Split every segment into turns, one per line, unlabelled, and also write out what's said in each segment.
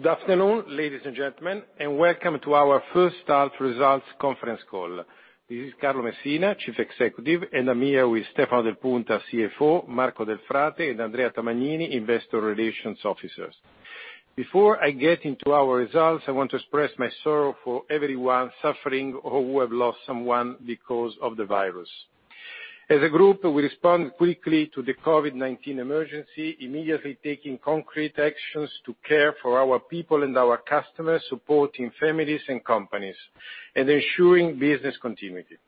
Good afternoon, ladies and gentlemen, welcome to our first half results conference call. This is Carlo Messina, Chief Executive, and I'm here with Stefano Del Punta, CFO, Marco Delfrate, and Andrea Tamagnini, investor relations officers. Before I get into our results, I want to express my sorrow for everyone suffering or who have lost someone because of the virus. As a group, we respond quickly to the COVID-19 emergency, immediately taking concrete actions to care for our people and our customers, supporting families and companies, and ensuring business continuity.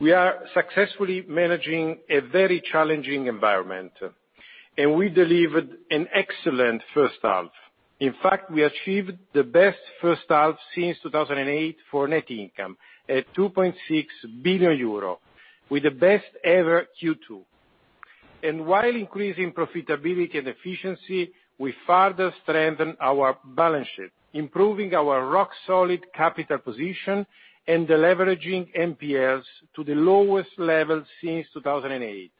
We are successfully managing a very challenging environment. We delivered an excellent first half. In fact, we achieved the best first half since 2008 for net income at 2.6 billion euro, with the best-ever Q2. While increasing profitability and efficiency, we further strengthen our balance sheet, improving our rock-solid capital position and deleveraging NPLs to the lowest level since 2008.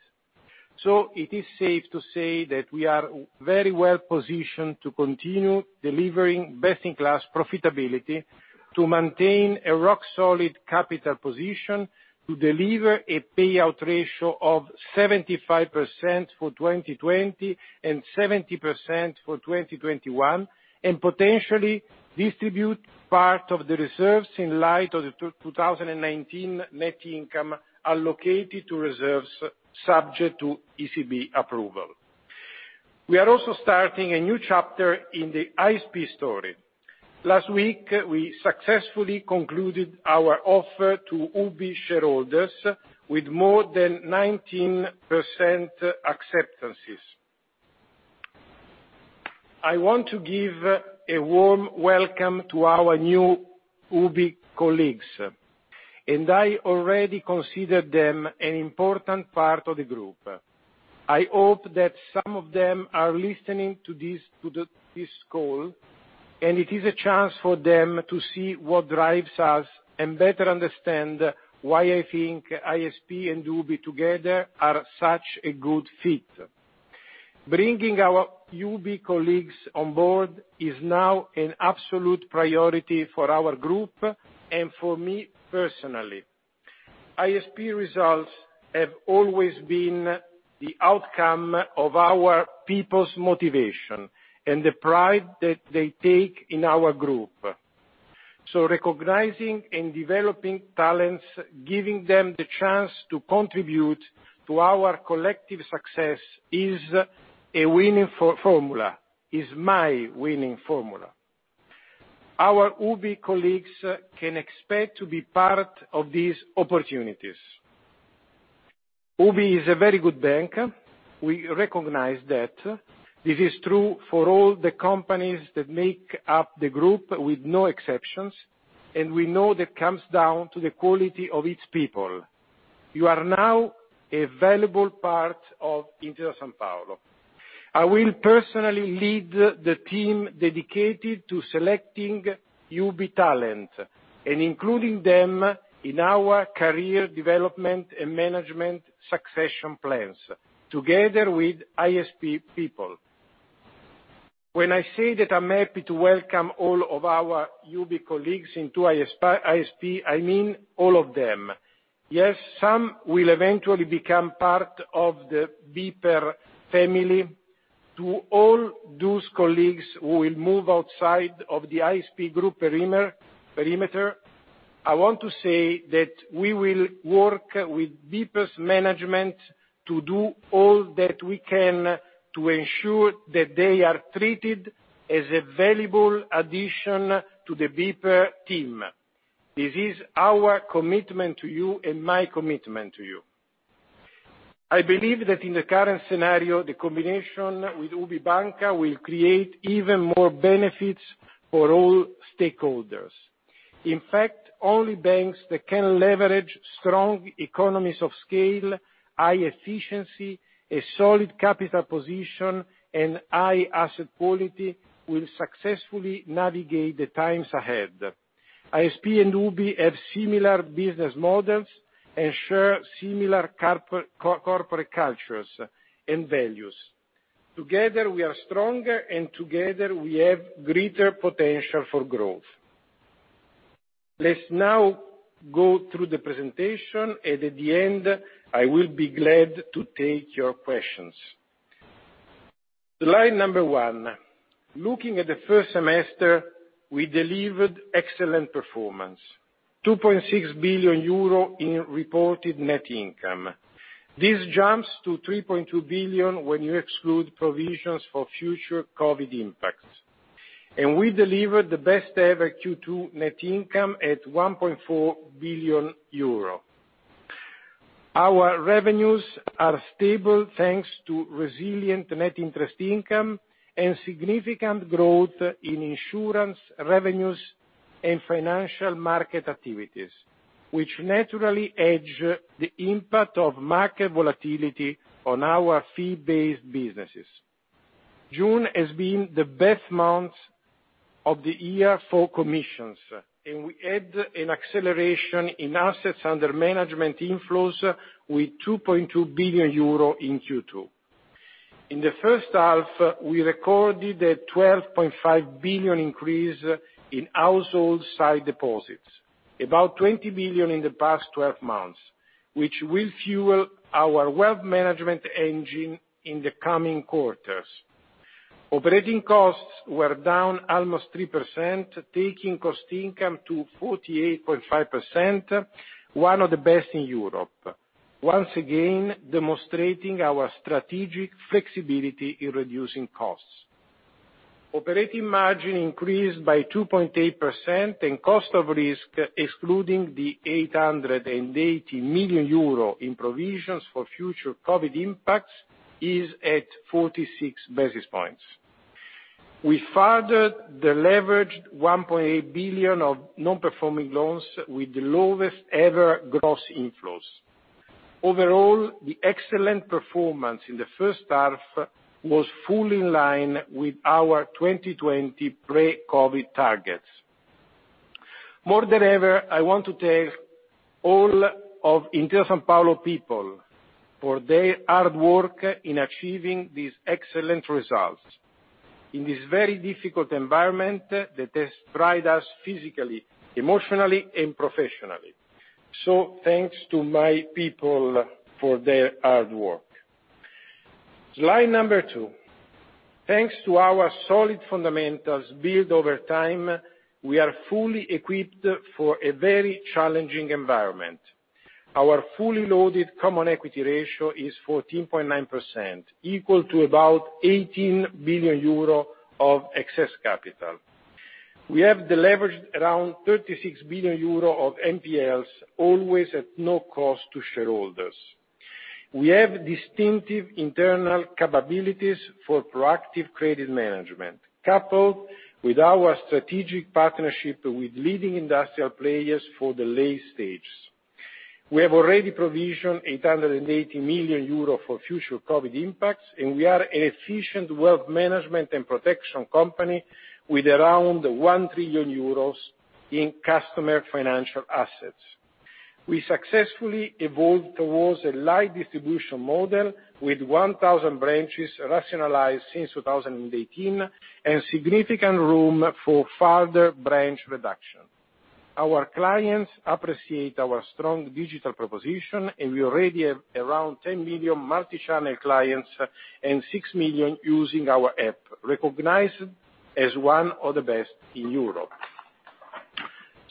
It is safe to say that we are very well positioned to continue delivering best-in-class profitability to maintain a rock-solid capital position, to deliver a payout ratio of 75% for 2020 and 70% for 2021, and potentially distribute part of the reserves in light of the 2019 net income allocated to reserves subject to ECB approval. We are also starting a new chapter in the ISP story. Last week, we successfully concluded our offer to UBI shareholders with more than 19% acceptances. I want to give a warm welcome to our new UBI colleagues, and I already consider them an important part of the group. I hope that some of them are listening to this call, and it is a chance for them to see what drives us and better understand why I think ISP and UBI together are such a good fit. Bringing our UBI colleagues on board is now an absolute priority for our group and for me personally. ISP results have always been the outcome of our people's motivation and the pride that they take in our group. Recognizing and developing talents, giving them the chance to contribute to our collective success is a winning formula, is my winning formula. Our UBI colleagues can expect to be part of these opportunities. UBI is a very good bank. We recognize that. This is true for all the companies that make up the group with no exceptions, and we know that comes down to the quality of its people. You are now a valuable part of Intesa Sanpaolo. I will personally lead the team dedicated to selecting UBI talent and including them in our career development and management succession plans together with ISP people. When I say that I mean all of them. Yes, some will eventually become part of the BPER family. To all those colleagues who will move outside of the ISP group perimeter, I want to say that we will work with BPER's management to do all that we can to ensure that they are treated as a valuable addition to the BPER team. This is our commitment to you and my commitment to you. I believe that in the current scenario, the combination with UBI Banca will create even more benefits for all stakeholders. In fact, only banks that can leverage strong economies of scale, high efficiency, a solid capital position, and high asset quality will successfully navigate the times ahead. ISP and UBI Banca have similar business models and share similar corporate cultures and values. Together, we are stronger, and together, we have greater potential for growth. Let's now go through the presentation. At the end, I will be glad to take your questions. Slide number one. Looking at the first semester, we delivered excellent performance, 2.6 billion euro in reported net income. This jumps to 3.2 billion when you exclude provisions for future COVID impacts. We delivered the best-ever Q2 net income at 1.4 billion euro. Our revenues are stable, thanks to resilient net interest income and significant growth in insurance revenues and financial market activities, which naturally hedge the impact of market volatility on our fee-based businesses. June has been the best month of the year for commissions. We had an acceleration in assets under management inflows with 2.2 billion euro in Q2. In the first half, we recorded a 12.5 billion increase in household sight deposits, about 20 billion in the past 12 months, which will fuel our wealth management engine in the coming quarters. Operating costs were down almost 3%, taking cost-to-income to 48.5%, one of the best in Europe, once again demonstrating our strategic flexibility in reducing costs. Operating margin increased by 2.8%. Cost of risk, excluding the 880 million euro in provisions for future COVID impacts, is at 46 basis points. We further deleveraged 1.8 billion of non-performing loans with the lowest-ever gross inflows. Overall, the excellent performance in the first half was fully in line with our 2020 pre-COVID targets. More than ever, I want to thank all of Intesa Sanpaolo people for their hard work in achieving these excellent results in this very difficult environment that has tried us physically, emotionally, and professionally. Thanks to my people for their hard work. Slide number two. Thanks to our solid fundamentals built over time, we are fully equipped for a very challenging environment. Our fully loaded common equity ratio is 14.9%, equal to about 18 billion euro of excess capital. We have leveraged around 36 billion euro of NPLs, always at no cost to shareholders. We have distinctive internal capabilities for proactive credit management, coupled with our strategic partnership with leading industrial players for the late stages. We have already provisioned 880 million euros for future COVID impacts, and we are an efficient wealth management and protection company with around 1 trillion euros in customer financial assets. We successfully evolved towards a light distribution model, with 1,000 branches rationalized since 2018 and significant room for further branch reduction. Our clients appreciate our strong digital proposition, and we already have around 10 million multi-channel clients and 6 million using our app, recognized as one of the best in Europe.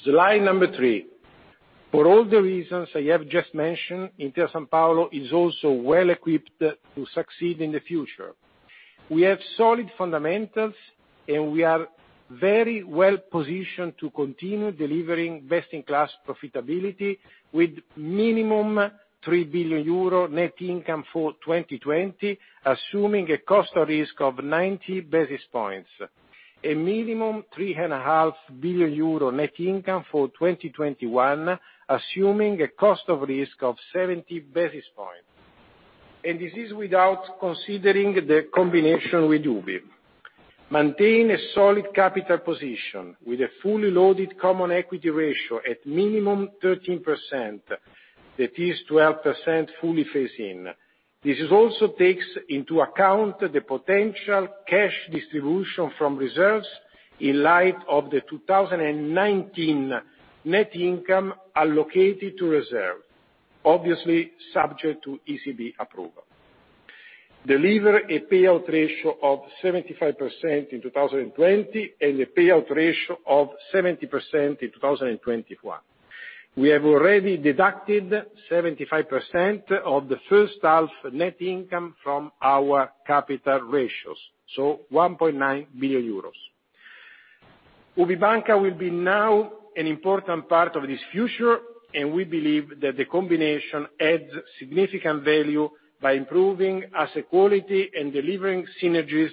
Slide number three. For all the reasons I have just mentioned, Intesa Sanpaolo is also well equipped to succeed in the future. We have solid fundamentals, and we are very well positioned to continue delivering best-in-class profitability with minimum 3 billion euro net income for 2020, assuming a cost of risk of 90 basis points, a minimum 3.5 billion euro net income for 2021, assuming a cost of risk of 70 basis points. This is without considering the combination with UBI. Maintain a solid capital position with a fully loaded common equity ratio at minimum 13%, that is 12% fully phase-in. This also takes into account the potential cash distribution from reserves in light of the 2019 net income allocated to reserve, obviously subject to ECB approval. Deliver a payout ratio of 75% in 2020, and a payout ratio of 70% in 2021. We have already deducted 75% of the first half net income from our capital ratios, so 1.9 billion euros. UBI Banca will be now an important part of this future, and we believe that the combination adds significant value by improving asset quality and delivering synergies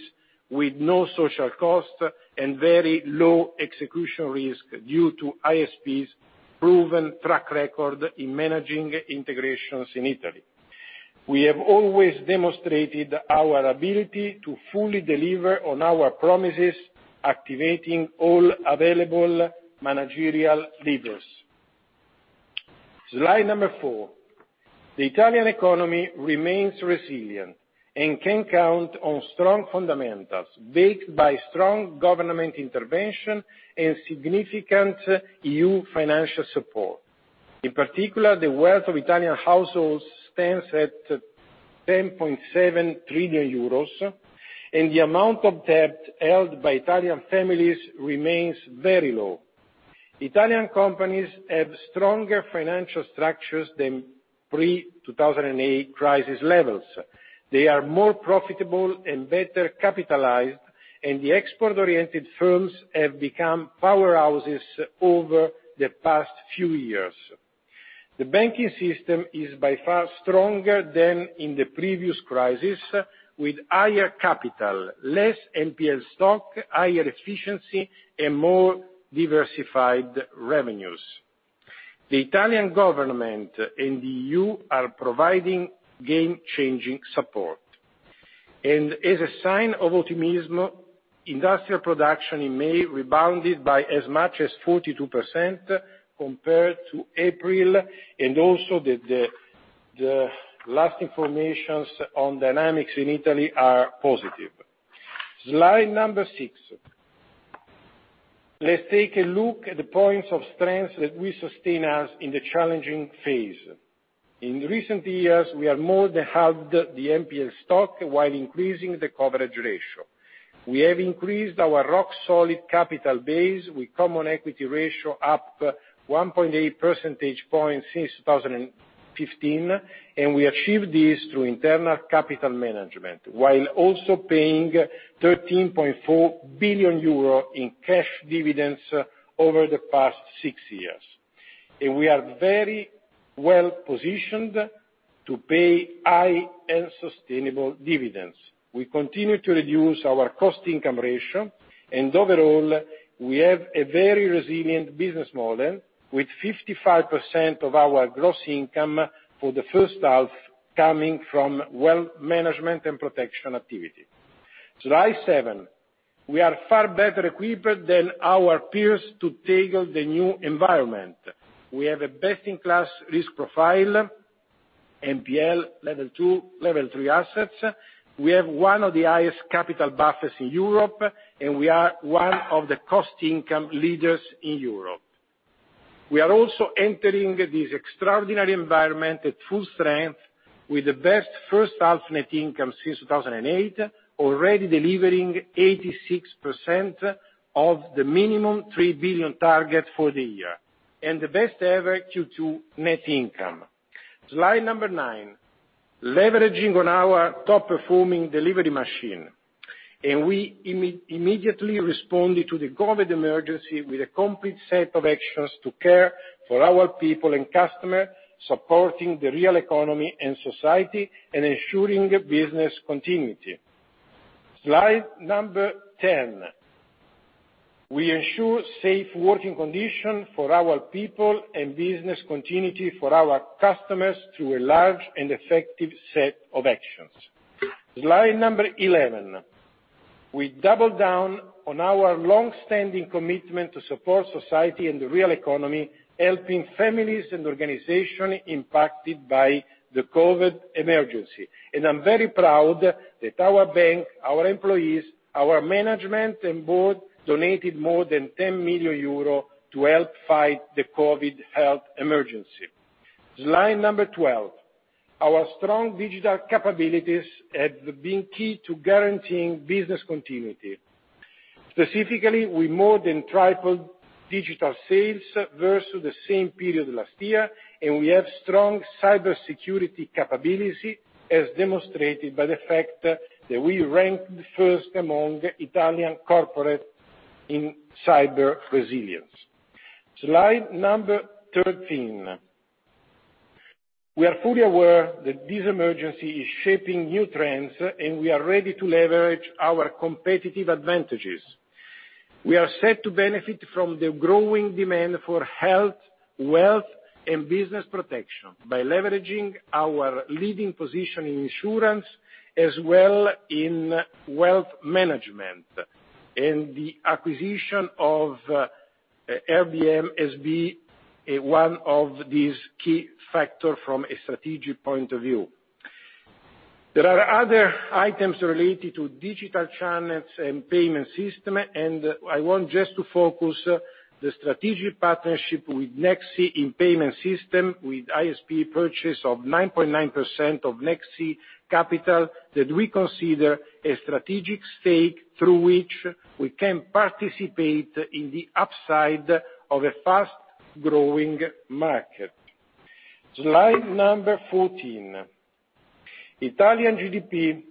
with no social cost and very low execution risk due to ISP's proven track record in managing integrations in Italy. We have always demonstrated our ability to fully deliver on our promises, activating all available managerial levers. Slide number 4. The Italian economy remains resilient and can count on strong fundamentals backed by strong government intervention and significant EU financial support. In particular, the wealth of Italian households stands at 10.7 trillion euros, and the amount of debt held by Italian families remains very low. Italian companies have stronger financial structures than pre-2008 crisis levels. They are more profitable and better capitalized, and the export-oriented firms have become powerhouses over the past few years. The banking system is by far stronger than in the previous crisis, with higher capital, less NPL stock, higher efficiency, and more diversified revenues. The Italian government and EU are providing game-changing support. As a sign of optimism, industrial production in May rebounded by as much as 42% compared to April, and also the last information on dynamics in Italy are positive. Slide number six. Let's take a look at the points of strength that will sustain us in the challenging phase. In recent years, we have more than halved the NPL stock while increasing the coverage ratio. We have increased our rock-solid capital base with Common Equity ratio up 1.8 percentage points since 2015. We achieved this through internal capital management, while also paying 13.4 billion euro in cash dividends over the past six years. We are very well-positioned to pay high and sustainable dividends. We continue to reduce our cost-to-income ratio, and overall, we have a very resilient business model, with 55% of our gross income for the first half coming from wealth management and protection activity. Slide seven. We are far better equipped than our peers to tackle the new environment. We have a best-in-class risk profile, NPL Level 2, Level 3 assets. We have one of the highest capital buffers in Europe, and we are one of the cost-to-income leaders in Europe. We are also entering this extraordinary environment at full strength with the best first half net income since 2008, already delivering 86% of the minimum 3 billion target for the year, and the best ever Q2 net income. Slide number nine, leveraging on our top-performing delivery machine, and we immediately responded to the COVID-19 emergency with a complete set of actions to care for our people and customers, supporting the real economy and society, and ensuring business continuity. Slide number 10. We ensure safe working condition for our people and business continuity for our customers through a large and effective set of actions. Slide number 11. We double down on our longstanding commitment to support society and the real economy, helping families and organization impacted by the COVID-19 emergency. I'm very proud that our bank, our employees, our management and board donated more than 10 million euro to help fight the COVID health emergency. Slide number 12. Our strong digital capabilities have been key to guaranteeing business continuity. Specifically, we more than tripled digital sales versus the same period last year, and we have strong cybersecurity capability, as demonstrated by the fact that we ranked first among Italian corporate in cyber resilience. Slide number 13. We are fully aware that this emergency is shaping new trends, and we are ready to leverage our competitive advantages. We are set to benefit from the growing demand for health, wealth, and business protection by leveraging our leading position in insurance as well in wealth management. The acquisition of RBM has been one of these key factor from a strategic point of view. There are other items related to digital channels and payment system. I want just to focus the strategic partnership with Nexi in payment system, with ISP purchase of 9.9% of Nexi capital, that we consider a strategic stake through which we can participate in the upside of a fast-growing market. Slide number 14. Italian GDP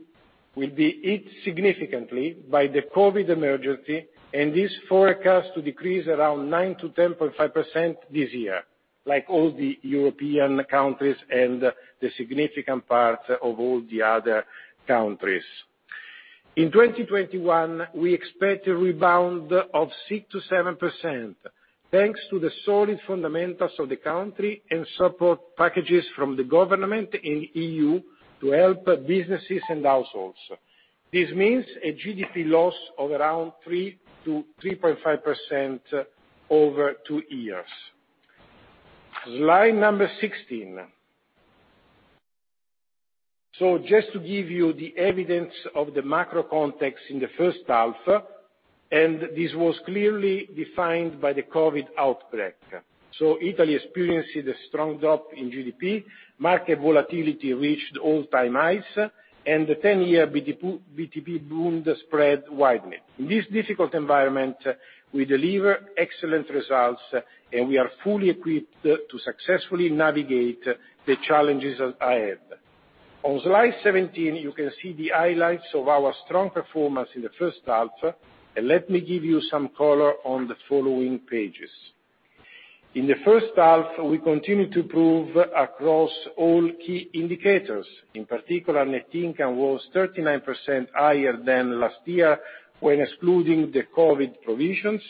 will be hit significantly by the COVID-19 emergency. This forecast to decrease around 9%-10.5% this year, like all the European countries and the significant part of all the other countries. In 2021, we expect a rebound of 6%-7%, thanks to the solid fundamentals of the country and support packages from the government and EU to help businesses and households. This means a GDP loss of around 3%-3.5% over two years. Slide number 16. Just to give you the evidence of the macro context in the first half, and this was clearly defined by the COVID-19 outbreak. Italy experienced a strong drop in GDP, market volatility reached all-time highs, and the 10-year BTP bund spread widened. In this difficult environment, we deliver excellent results, and we are fully equipped to successfully navigate the challenges ahead. On slide 17, you can see the highlights of our strong performance in the first half, and let me give you some color on the following pages. In the first half, we continued to improve across all key indicators. In particular, net income was 39% higher than last year when excluding the COVID provisions,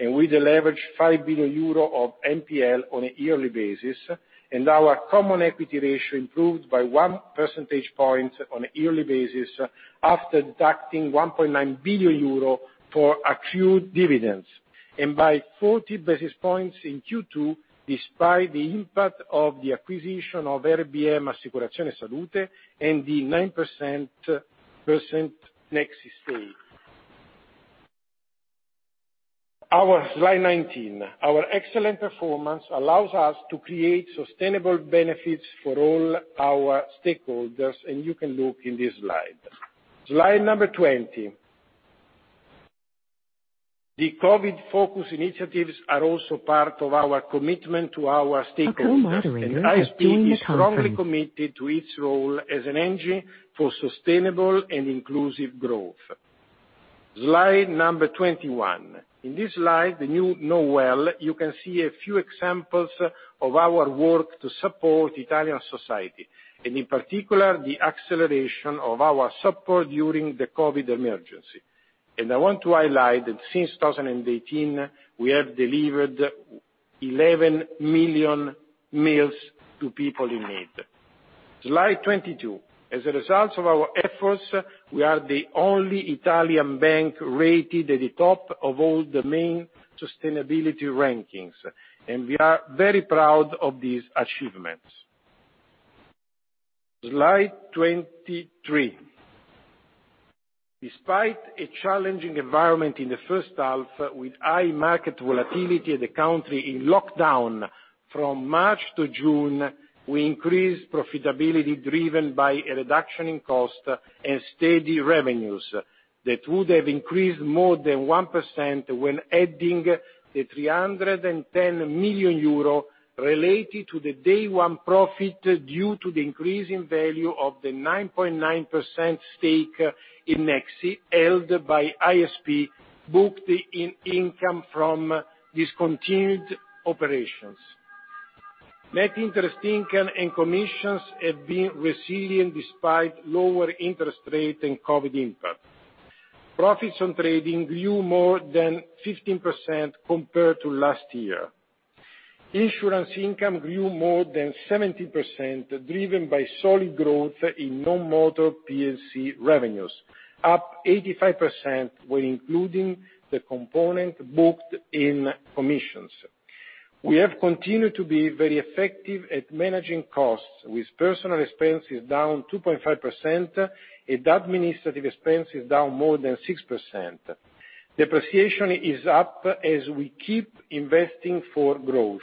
and we leveraged 5 billion euro of NPL on a yearly basis, and our Common Equity ratio improved by one percentage point on a yearly basis after deducting 1.9 billion euro for accrued dividends, and by 40 basis points in Q2, despite the impact of the acquisition of RBM Assicurazioni Salute and the 9% Nexi stake. Our slide 19. Our excellent performance allows us to create sustainable benefits for all our stakeholders. You can look in this slide. Slide number 20. The COVID focus initiatives are also part of our commitment to our stakeholders.
A call moderator has joined the conference.
ISP is strongly committed to its role as an engine for sustainable and inclusive growth. Slide number 21. In this slide, you know well, you can see a few examples of our work to support Italian society, and in particular, the acceleration of our support during the COVID emergency. I want to highlight that since 2018, we have delivered 11 million meals to people in need. Slide 22. As a result of our efforts, we are the only Italian bank rated at the top of all the main sustainability rankings, and we are very proud of this achievement. Slide 23. Despite a challenging environment in the first half, with high market volatility and the country in lockdown from March to June, we increased profitability driven by a reduction in cost and steady revenues that would have increased more than 1% when adding the 310 million euro related to the day one profit due to the increase in value of the 9.9% stake in Nexi held by ISP, booked in income from discontinued operations. Net interest income and commissions have been resilient despite lower interest rate and COVID impact. Profits on trading grew more than 15% compared to last year. Insurance income grew more than 70%, driven by solid growth in non-motor P&C revenues, up 85% when including the component booked in commissions. We have continued to be very effective at managing costs, with personal expenses down 2.5% and administrative expenses down more than 6%. Depreciation is up as we keep investing for growth.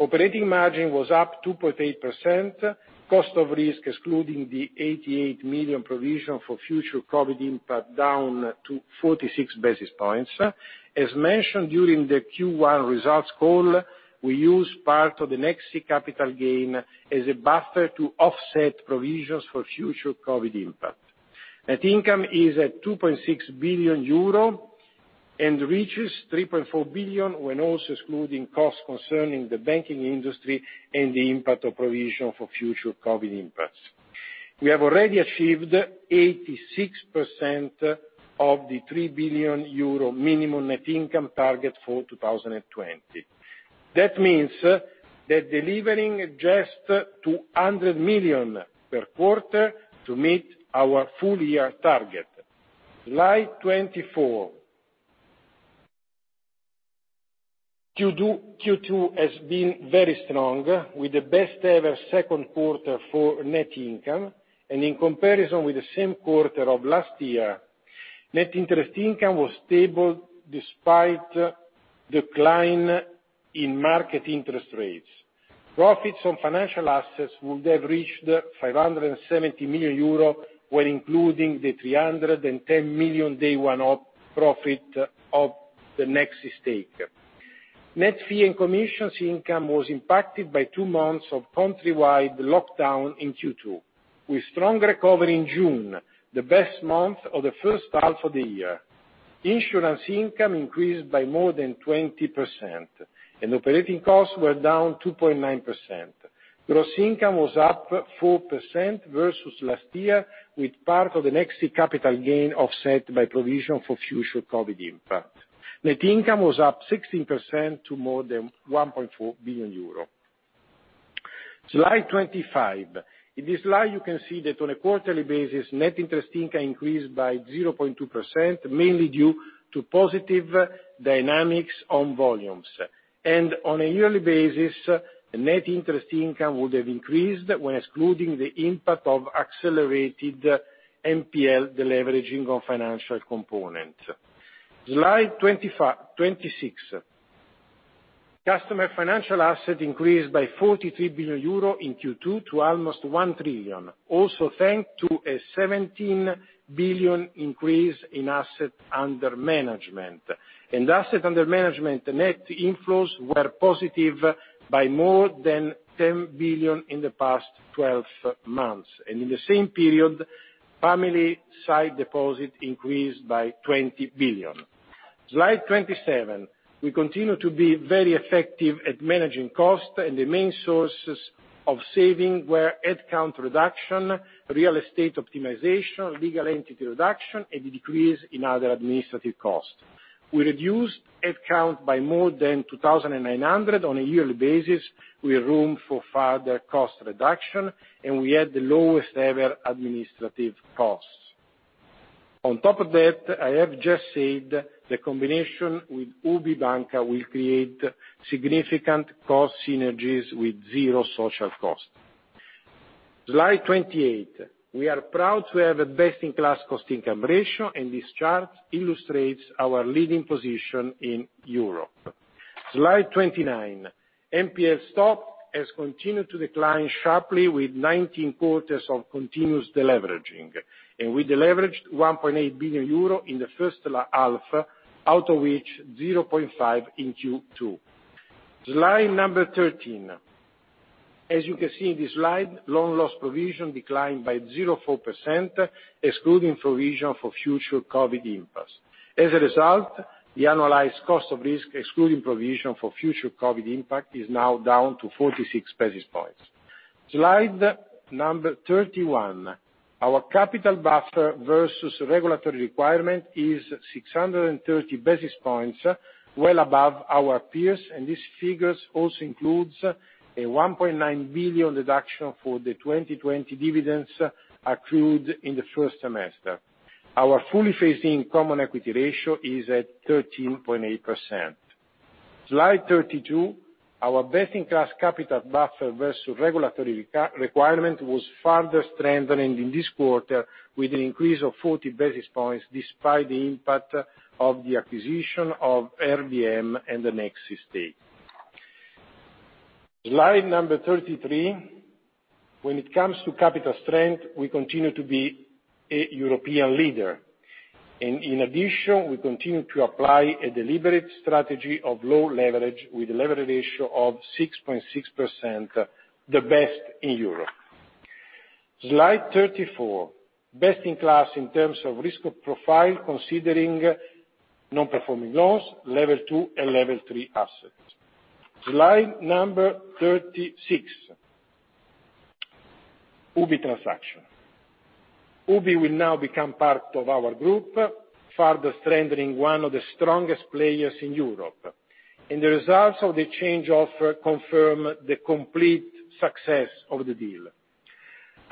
Operating margin was up 2.8%, cost of risk excluding the 880 million provision for future COVID impact down to 46 basis points. As mentioned during the Q1 results call, we used part of the Nexi capital gain as a buffer to offset provisions for future COVID impact. Net income is at 2.6 billion euro and reaches 3.4 billion when also excluding costs concerning the banking industry and the impact of provision for future COVID impacts. We have already achieved 86% of the 3 billion euro minimum net income target for 2020. That means that delivering just 200 million per quarter to meet our full year target. Slide 24. Q2 has been very strong, with the best ever second quarter for net income. In comparison with the same quarter of last year, net interest income was stable despite decline in market interest rates. Profits on financial assets would have reached 570 million euro when including the 310 million day one profit of the Nexi stake. Net fee and commissions income was impacted by 2 months of country-wide lockdown in Q2, with strong recovery in June, the best month of the first half of the year. Insurance income increased by more than 20%, operating costs were down 2.9%. Gross income was up 4% versus last year, with part of the Nexi capital gain offset by provision for future COVID impact. Net income was up 16% to more than 1.4 billion euro. Slide 25. In this slide, you can see that on a quarterly basis, net interest income increased by 0.2%, mainly due to positive dynamics on volumes. On a yearly basis, the net interest income would have increased when excluding the impact of accelerated NPL deleveraging on financial component. Slide 26. Customer financial asset increased by 43 billion euro in Q2 to almost 1 trillion, also thanks to a 17 billion increase in asset under management. In asset under management, net inflows were positive by more than 10 billion in the past 12 months. In the same period, family sight deposit increased by 20 billion. Slide 27. We continue to be very effective at managing costs, and the main sources of saving were head count reduction, real estate optimization, legal entity reduction, and the decrease in other administrative costs. We reduced head count by more than 2,900 on a yearly basis. We have room for further cost reduction, and we had the lowest-ever administrative costs. On top of that, I have just said the combination with UBI Banca will create significant cost synergies with zero social cost. Slide 28. We are proud to have a best-in-class cost-to-income ratio, and this chart illustrates our leading position in Europe. Slide 29. NPL stock has continued to decline sharply with 19 quarters of continuous deleveraging, and we deleveraged 1.8 billion euro in the first half, out of which 0.5 in Q2. Slide number 13. As you can see in this slide, loan loss provision declined by 0.4%, excluding provision for future COVID impacts. As a result, the annualized cost of risk, excluding provision for future COVID impact, is now down to 46 basis points. Slide number 31. Our capital buffer versus regulatory requirement is 630 basis points, well above our peers, and this figure also includes a 1.9 billion reduction for the 2020 dividends accrued in the first semester. Our fully phased-in Common Equity Tier 1 ratio is at 13.8%. Slide 32. Our best-in-class capital buffer versus regulatory requirement was further strengthening in this quarter with an increase of 40 basis points, despite the impact of the acquisition of RBM and the Nexi stake. Slide number 33. When it comes to capital strength, we continue to be a European leader. In addition, we continue to apply a deliberate strategy of low leverage with a leverage ratio of 6.6%, the best in Europe. Slide 34. Best in class in terms of risk profile, considering non-performing loans, Level 2 and Level 3 assets. Slide number 36. UBI transaction. UBI will now become part of our group, further strengthening one of the strongest players in Europe, and the results of the exchange offer confirm the complete success of the deal.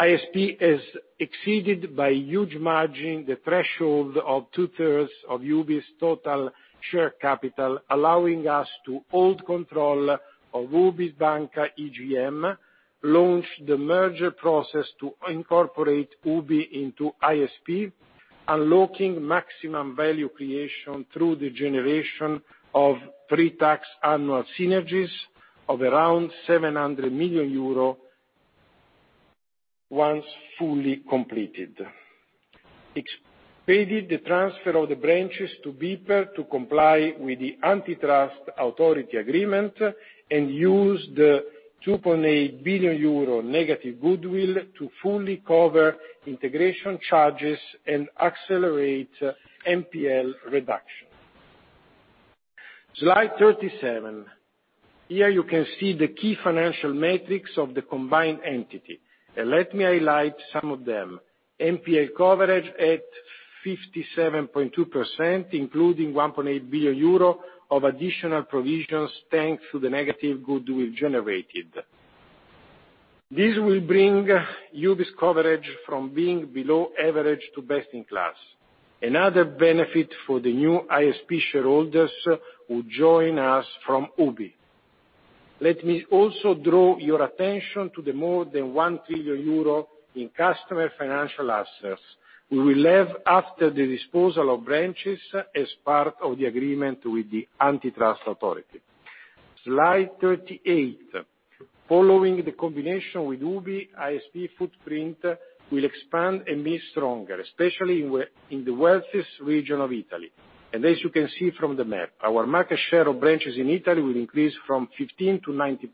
ISP has exceeded, by a huge margin, the threshold of two-thirds of UBI's total share capital, allowing us to hold control of UBI Banca EGM, launch the merger process to incorporate UBI into ISP, unlocking maximum value creation through the generation of pre-tax annual synergies of around 700 million euro, once fully completed. Expedited the transfer of the branches to BPER to comply with the antitrust authority agreement, and used 2.8 billion euro negative goodwill to fully cover integration charges and accelerate NPL reduction. Slide 37. Here you can see the key financial metrics of the combined entity. Let me highlight some of them. NPL coverage at 57.2%, including 1.8 billion euro of additional provisions thanks to the negative goodwill generated. This will bring UBI's coverage from being below average to best in class. Another benefit for the new ISP shareholders who join us from UBI. Let me also draw your attention to the more than 1 trillion euro in customer financial assets we will have after the disposal of branches as part of the agreement with the antitrust authority. Slide 38. Following the combination with UBI, ISP footprint will expand and be stronger, especially in the wealthiest region of Italy. As you can see from the map, our market share of branches in Italy will increase from 15%-90%.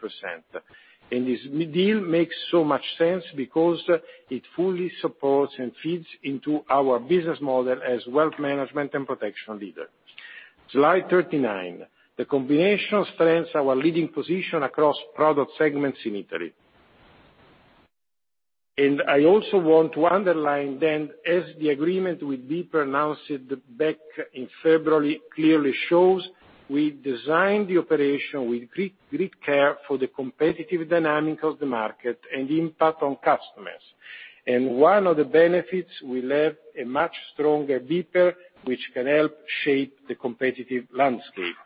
This deal makes so much sense because it fully supports and feeds into our business model as wealth management and protection leader. Slide 39. The combination strengthens our leading position across product segments in Italy. I also want to underline, as the agreement with BPER announced back in February clearly shows, we designed the operation with great care for the competitive dynamic of the market and the impact on customers. One of the benefits, we have a much stronger BPER, which can help shape the competitive landscape.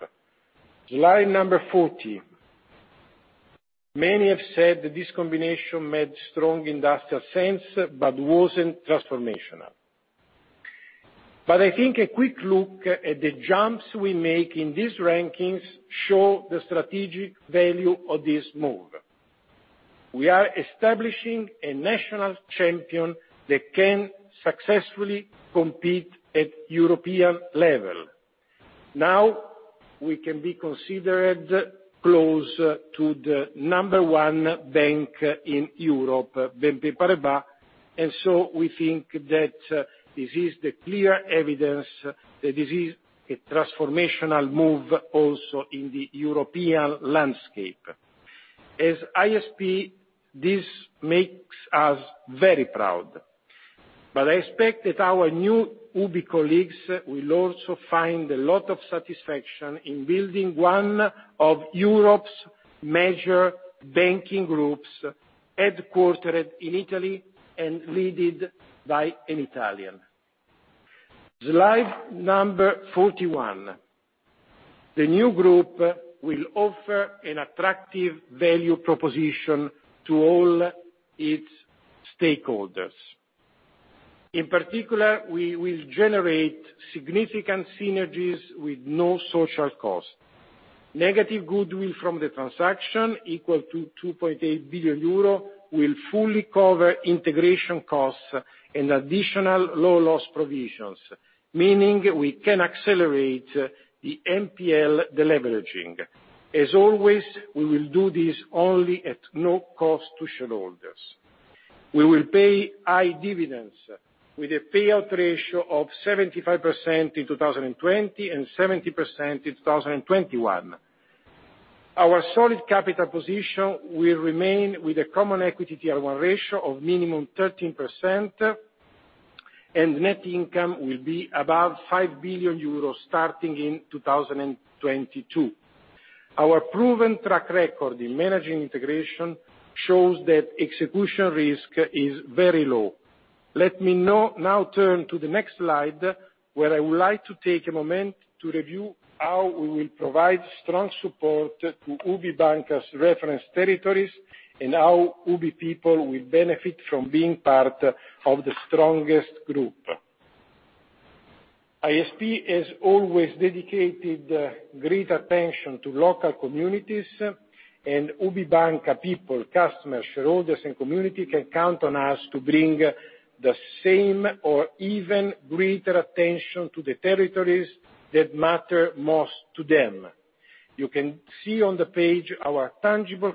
Slide number 40. Many have said that this combination made strong industrial sense but wasn't transformational. I think a quick look at the jumps we make in these rankings show the strategic value of this move. We are establishing a national champion that can successfully compete at European level. Now we can be considered close to the number one bank in Europe, BNP Paribas. We think that this is the clear evidence that this is a transformational move also in the European landscape. As ISP, this makes us very proud. I expect that our new UBI colleagues will also find a lot of satisfaction in building one of Europe's major banking groups, headquartered in Italy and leaded by an Italian. Slide number 41. The new group will offer an attractive value proposition to all its stakeholders. In particular, we will generate significant synergies with no social cost. Negative goodwill from the transaction, equal to 2.8 billion euro, will fully cover integration costs and additional low loss provisions, meaning we can accelerate the NPL deleveraging. As always, we will do this only at no cost to shareholders. We will pay high dividends with a payout ratio of 75% in 2020 and 70% in 2021. Our solid capital position will remain with a Common Equity Tier 1 ratio of minimum 13%, and net income will be above 5 billion euros starting in 2022. Our proven track record in managing integration shows that execution risk is very low. Let me now turn to the next slide, where I would like to take a moment to review how we will provide strong support to UBI Banca's reference territories, and how UBI people will benefit from being part of the strongest group. ISP has always dedicated great attention to local communities, and UBI Banca people, customers, shareholders, and community can count on us to bring the same or even greater attention to the territories that matter most to them. You can see on the page our tangible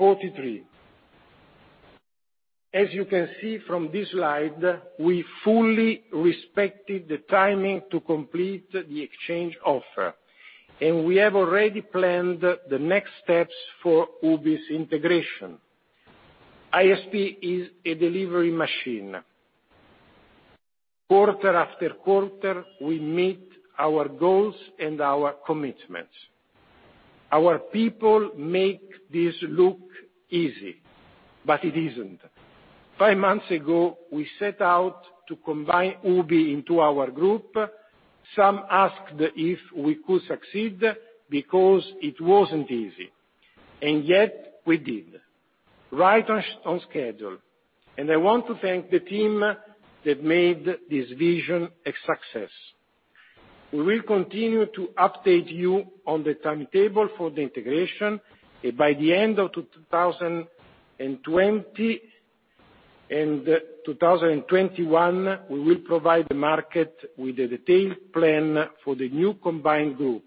43. As you can see from this slide, we fully respected the timing to complete the exchange offer, and we have already planned the next steps for UBI's integration. ISP is a delivery machine. Quarter after quarter, we meet our goals and our commitments. Our people make this look easy, but it isn't. Five months ago, we set out to combine UBI into our group. Some asked if we could succeed because it wasn't easy, and yet we did, right on schedule. I want to thank the team that made this vision a success. We will continue to update you on the timetable for the integration, and by the end of 2020 and 2021, we will provide the market with a detailed plan for the new combined group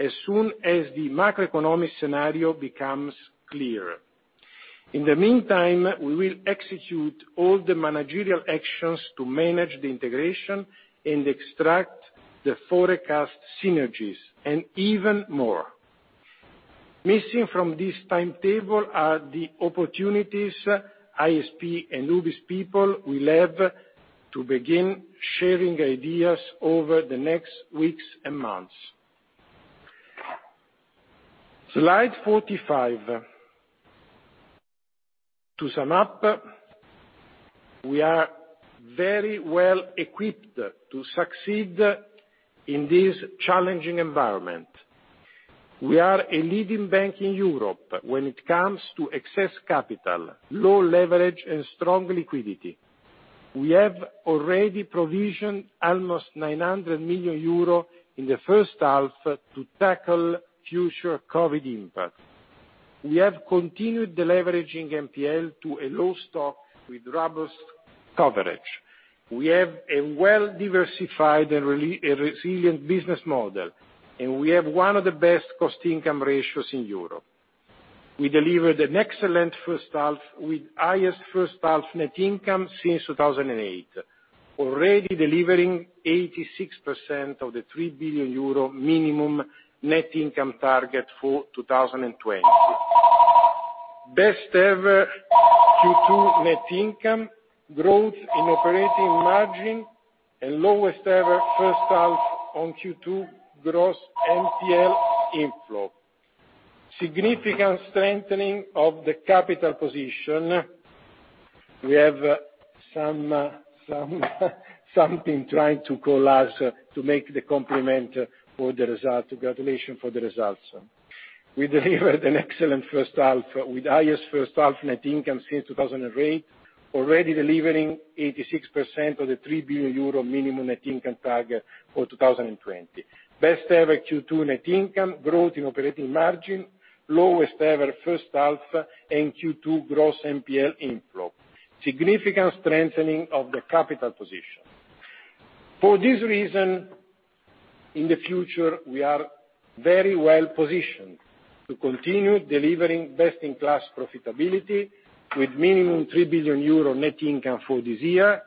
as soon as the macroeconomic scenario becomes clear. In the meantime, we will execute all the managerial actions to manage the integration and extract the forecast synergies, and even more. Missing from this timetable are the opportunities ISP and UBI's people will have to begin sharing ideas over the next weeks and months. Slide 45. To sum up, we are very well equipped to succeed in this challenging environment. We are a leading bank in Europe when it comes to excess capital, low leverage, and strong liquidity. We have already provisioned almost 900 million euro in the first half to tackle future COVID impact. We have continued deleveraging NPL to a low stock with robust coverage. We have a well-diversified and resilient business model, and we have one of the best cost-income ratios in Europe. We delivered an excellent first half with highest first-half net income since 2008, already delivering 86% of the 3 billion euro minimum net income target for 2020. Best ever Q2 net income, growth in operating margin, and lowest ever first half on Q2 gross NPL inflow. Significant strengthening of the capital position. We have something trying to call us to make the compliment for the result. Congratulations for the results. We delivered an excellent first half with highest first-half net income since 2008, already delivering 86% of the 3 billion euro minimum net income target for 2020. Best ever Q2 net income growth in operating margin, lowest ever first half and Q2 gross NPL inflow. Significant strengthening of the capital position. For this reason, in the future, we are very well positioned to continue delivering best-in-class profitability, with minimum 3 billion euro net income for this year,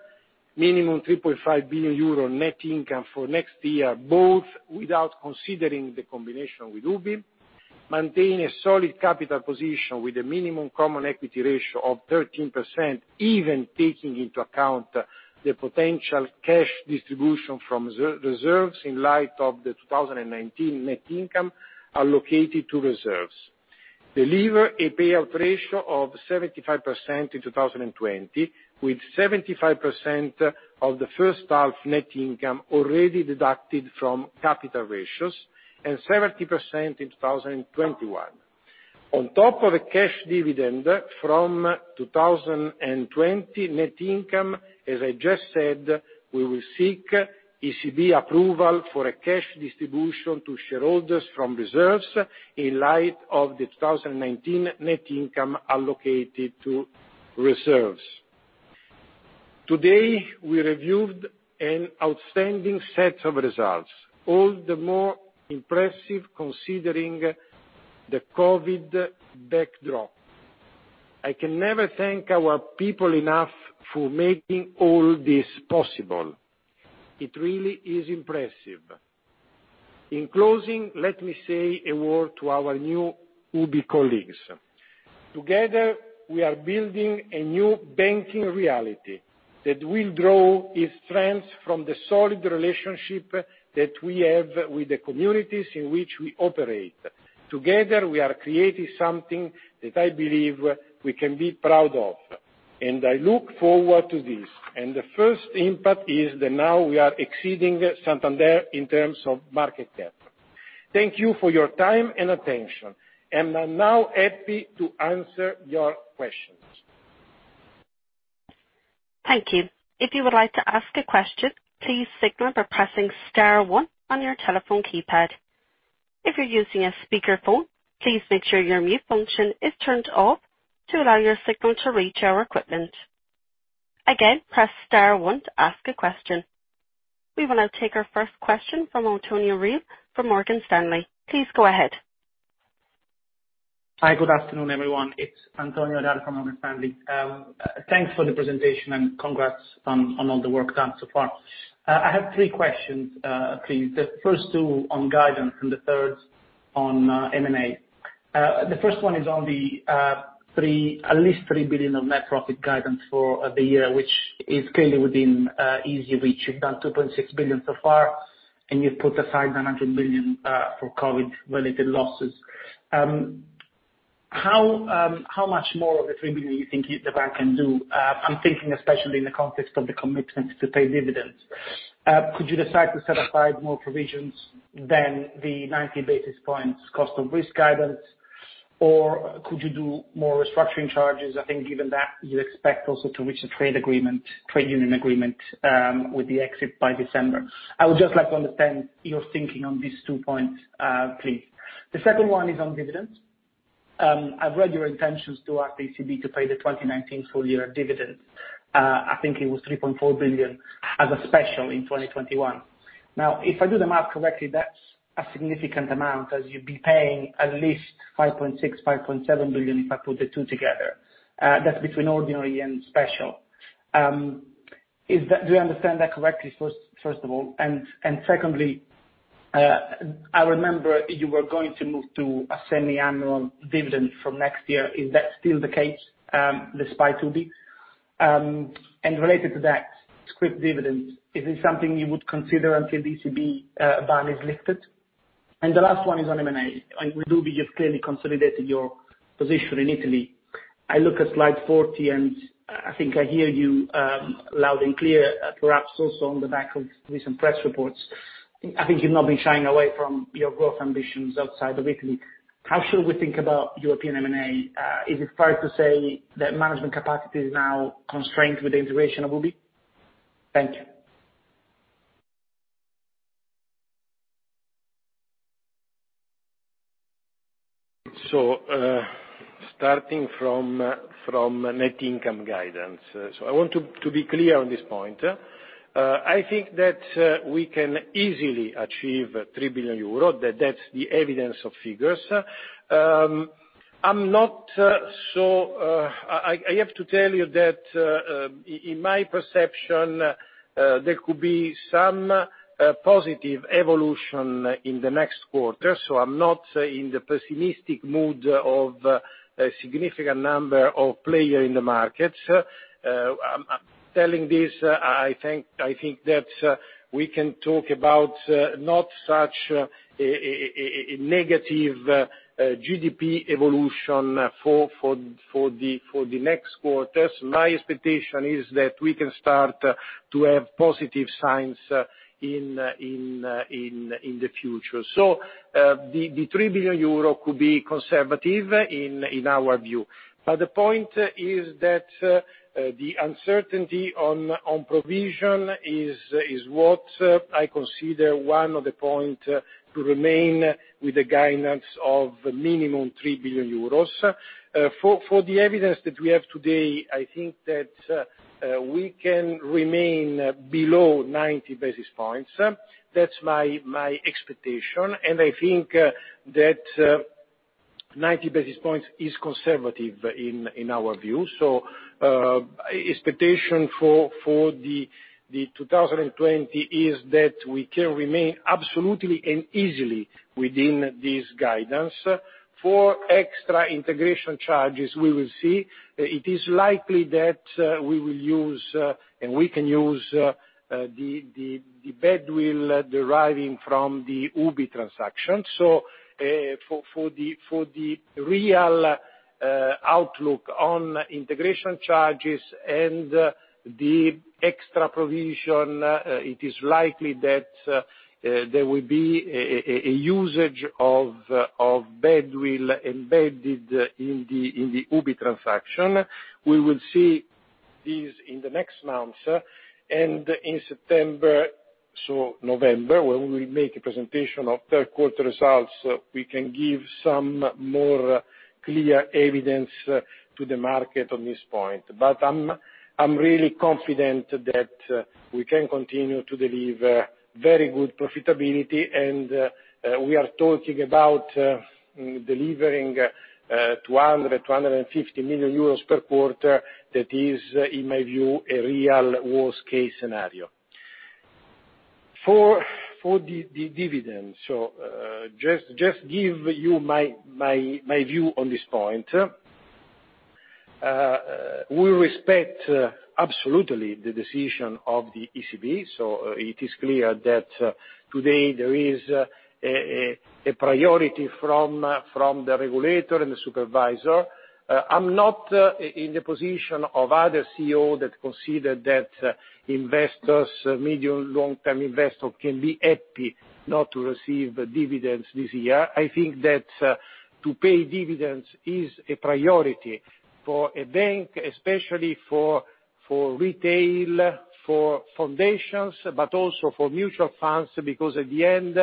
minimum 3.5 billion euro net income for next year, both without considering the combination with UBI. Maintaining a solid capital position with a minimum Common Equity ratio of 13%, even taking into account the potential cash distribution from reserves in light of the 2019 net income allocated to reserves. Deliver a payout ratio of 75% in 2020, with 75% of the first half net income already deducted from capital ratios, and 70% in 2021. On top of the cash dividend from 2020 net income, as I just said, we will seek ECB approval for a cash distribution to shareholders from reserves in light of the 2019 net income allocated to reserves. Today, we reviewed an outstanding set of results, all the more impressive considering the COVID-19 backdrop. I can never thank our people enough for making all this possible. It really is impressive. In closing, let me say a word to our new UBI Banca colleagues. Together, we are building a new banking reality that will draw its strengths from the solid relationship that we have with the communities in which we operate. Together, we are creating something that I believe we can be proud of. I look forward to this. The first impact is that now we are exceeding Santander in terms of market cap. Thank you for your time and attention. I'm now happy to answer your questions.
Thank you. If you would like to ask a question, please signal by pressing star one on your telephone keypad. If you're using a speakerphone, please make sure your mute function is turned off to allow your signal to reach our equipment. Again, press star one to ask a question. We will now take our first question from Antonio Reale, from Morgan Stanley. Please go ahead.
Hi. Good afternoon, everyone. It's Antonio Reale from Morgan Stanley. Thanks for the presentation and congrats on all the work done so far. I have three questions, please. The first two on guidance and the third on M&A. The first one is on the at least 3 billion of net profit guidance for the year, which is clearly within easy reach. You've done 2.6 billion so far, and you've put aside 900 million for COVID-related losses. How much more of the 3 billion do you think the bank can do? I'm thinking especially in the context of the commitment to pay dividends. Could you decide to set aside more provisions than the 90 basis points cost of risk guidance, or could you do more restructuring charges? I think given that you expect also to reach a trade union agreement with the exit by December. I would just like to understand your thinking on these two points, please. The second one is on dividends. I've read your intentions to ECB to pay the 2019 full year dividend. I think it was 3.4 billion as a special in 2021. If I do the math correctly, that's a significant amount, as you'd be paying at least 5.6 billion-5.7 billion if I put the two together. That's between ordinary and special. Do I understand that correctly, first of all? Secondly, I remember you were going to move to a semi-annual dividend from next year. Is that still the case, despite UBI? Related to that scrip dividend, is this something you would consider until the ECB ban is lifted? The last one is on M&A. With UBI, you've clearly consolidated your position in Italy. I look at slide 40, and I think I hear you loud and clear, perhaps also on the back of recent press reports. I think you've not been shying away from your growth ambitions outside of Italy. How should we think about European M&A? Is it fair to say that management capacity is now constrained with the integration of UBI? Thank you.
Starting from net income guidance. I want to be clear on this point. I think that we can easily achieve 3 billion euro, that's the evidence of figures. I have to tell you that, in my perception, there could be some positive evolution in the next quarter. I'm not in the pessimistic mood of a significant number of players in the market. I'm telling this, I think that we can talk about not such a negative GDP evolution for the next quarters. My expectation is that we can start to have positive signs in the future. The 3 billion euro could be conservative in our view. The point is that the uncertainty on provision is what I consider one of the point to remain with the guidance of minimum 3 billion euros. For the evidence that we have today, I think that we can remain below 90 basis points. That's my expectation. 90 basis points is conservative in our view. Expectation for the 2020 is that we can remain absolutely and easily within this guidance. For extra integration charges, we will see. It is likely that we will use, and we can use the goodwill deriving from the UBI transaction. For the real outlook on integration charges and the extra provision, it is likely that there will be a usage of goodwill embedded in the UBI transaction. We will see this in the next months. In September, November, when we make a presentation of third quarter results, we can give some more clear evidence to the market on this point. I'm really confident that we can continue to deliver very good profitability. We are talking about delivering 200 million-250 million euros per quarter, that is, in my view, a real worst case scenario. For the dividend, just give you my view on this point. We respect absolutely the decision of the ECB. It is clear that today there is a priority from the regulator and the supervisor. I'm not in the position of other CEO that consider that investors, medium, long-term investor can be happy not to receive dividends this year. I think that to pay dividends is a priority for a bank, especially for retail, for foundations, but also for mutual funds, because at the end,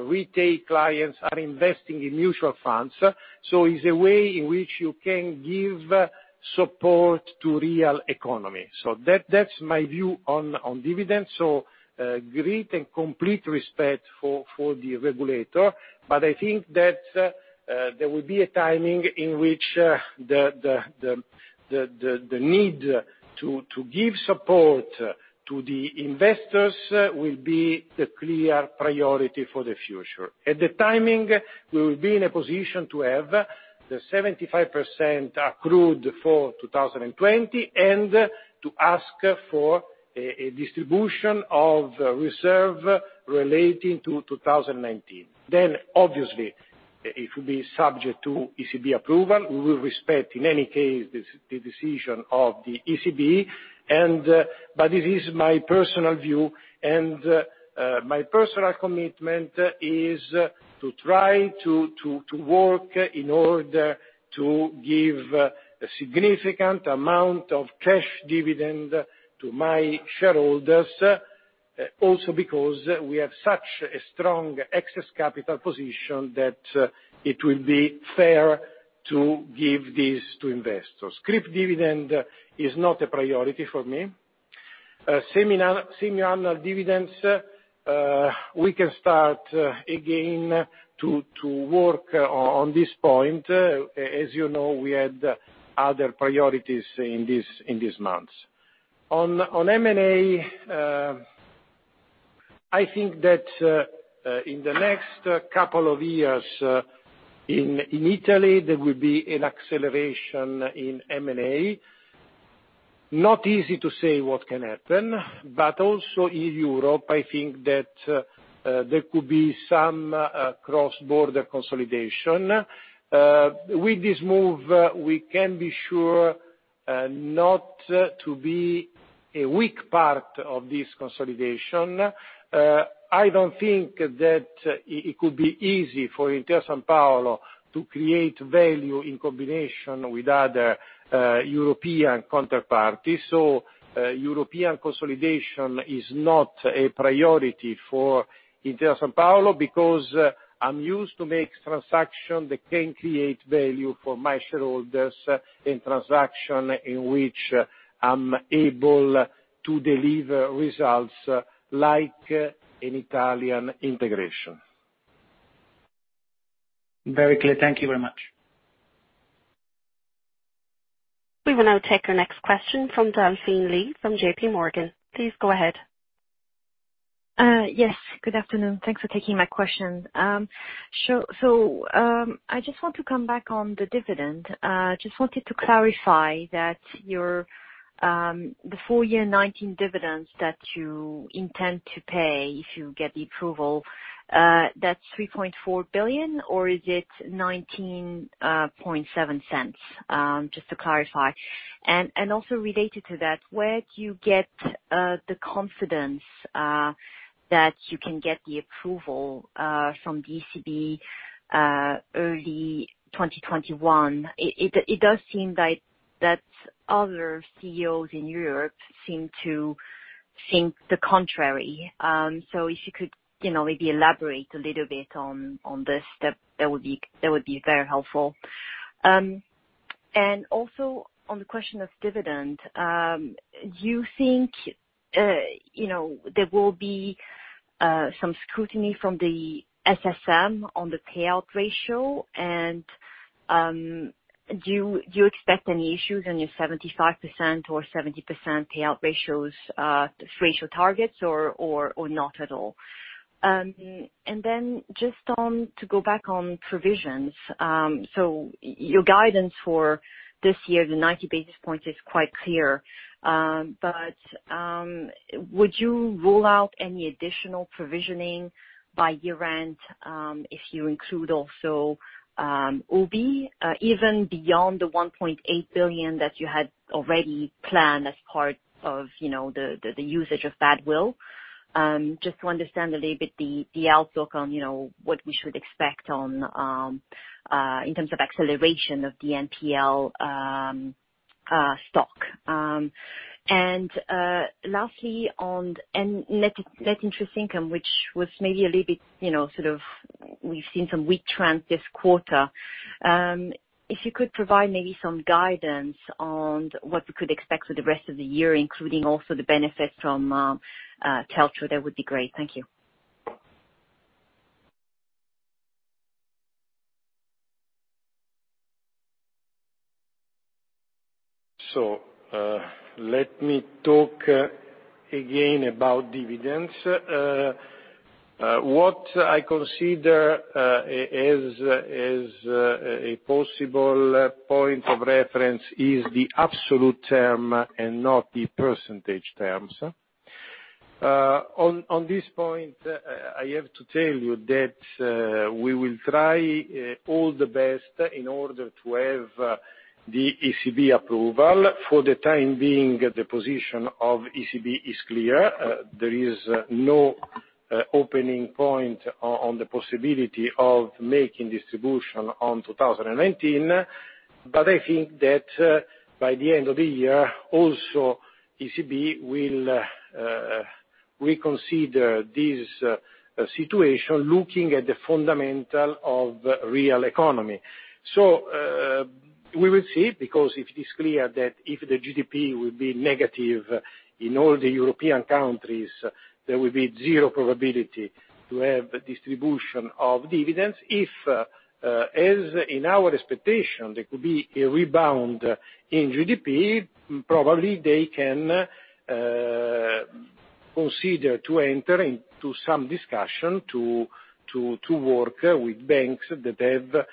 retail clients are investing in mutual funds. It's a way in which you can give support to real economy. That's my view on dividends. Great and complete respect for the regulator, I think that there will be a timing in which the need to give support to the investors will be the clear priority for the future. At the timing, we will be in a position to have the 75% accrued for 2020 and to ask for a distribution of reserve relating to 2019. Obviously, it will be subject to ECB approval. We will respect, in any case, the decision of the ECB. It is my personal view, and my personal commitment is to try to work in order to give a significant amount of cash dividend to my shareholders, also because we have such a strong excess capital position that it will be fair to give this to investors. Scrip dividend is not a priority for me. Semiannual dividends, we can start again to work on this point. As you know, we had other priorities in these months. On M&A, I think that in the next couple of years in Italy, there will be an acceleration in M&A. Not easy to say what can happen, but also in Europe, I think that there could be some cross-border consolidation. With this move, we can be sure not to be a weak part of this consolidation. I don't think that it could be easy for Intesa Sanpaolo to create value in combination with other European counterparties. European consolidation is not a priority for Intesa Sanpaolo, because I'm used to make transaction that can create value for my shareholders, in transaction in which I'm able to deliver results like an Italian integration.
Very clear. Thank you very much.
We will now take our next question from Delphine Lee from JP Morgan. Please go ahead.
Yes, good afternoon. Thanks for taking my question. I just want to come back on the dividend. Just wanted to clarify that the full year 2019 dividends that you intend to pay if you get the approval, that's 3.4 billion, or is it 0.197? Just to clarify. Also related to that, where do you get the confidence that you can get the approval from ECB early 2021? It does seem that other CEOs in Europe seem to think the contrary. If you could maybe elaborate a little bit on this, that would be very helpful. Also on the question of dividend, do you think there will be some scrutiny from the SSM on the payout ratio, and do you expect any issues on your 75% or 70% payout ratio targets or not at all? Just to go back on provisions. Your guidance for this year, the 90 basis points, is quite clear. Would you rule out any additional provisioning by year-end if you include also UBI, even beyond the 1.8 billion that you had already planned as part of the usage of badwill? Just to understand a little bit the outlook on what we should expect in terms of acceleration of the NPL stock. Lastly on net interest income, which we've seen some weak trends this quarter. If you could provide maybe some guidance on what we could expect for the rest of the year, including also the benefit from TLTRO, that would be great. Thank you.
Let me talk again about dividends. What I consider as a possible point of reference is the absolute term and not the percentage terms. On this point, I have to tell you that we will try all the best in order to have the ECB approval. For the time being, the position of ECB is clear. There is no opening point on the possibility of making distribution on 2019. I think that by the end of the year, also ECB will reconsider this situation, looking at the fundamental of real economy. We will see, because it is clear that if the GDP will be negative in all the European countries, there will be zero probability to have distribution of dividends. If, as in our expectation, there could be a rebound in GDP, probably they can proceed to enter into some discussion to work with banks that have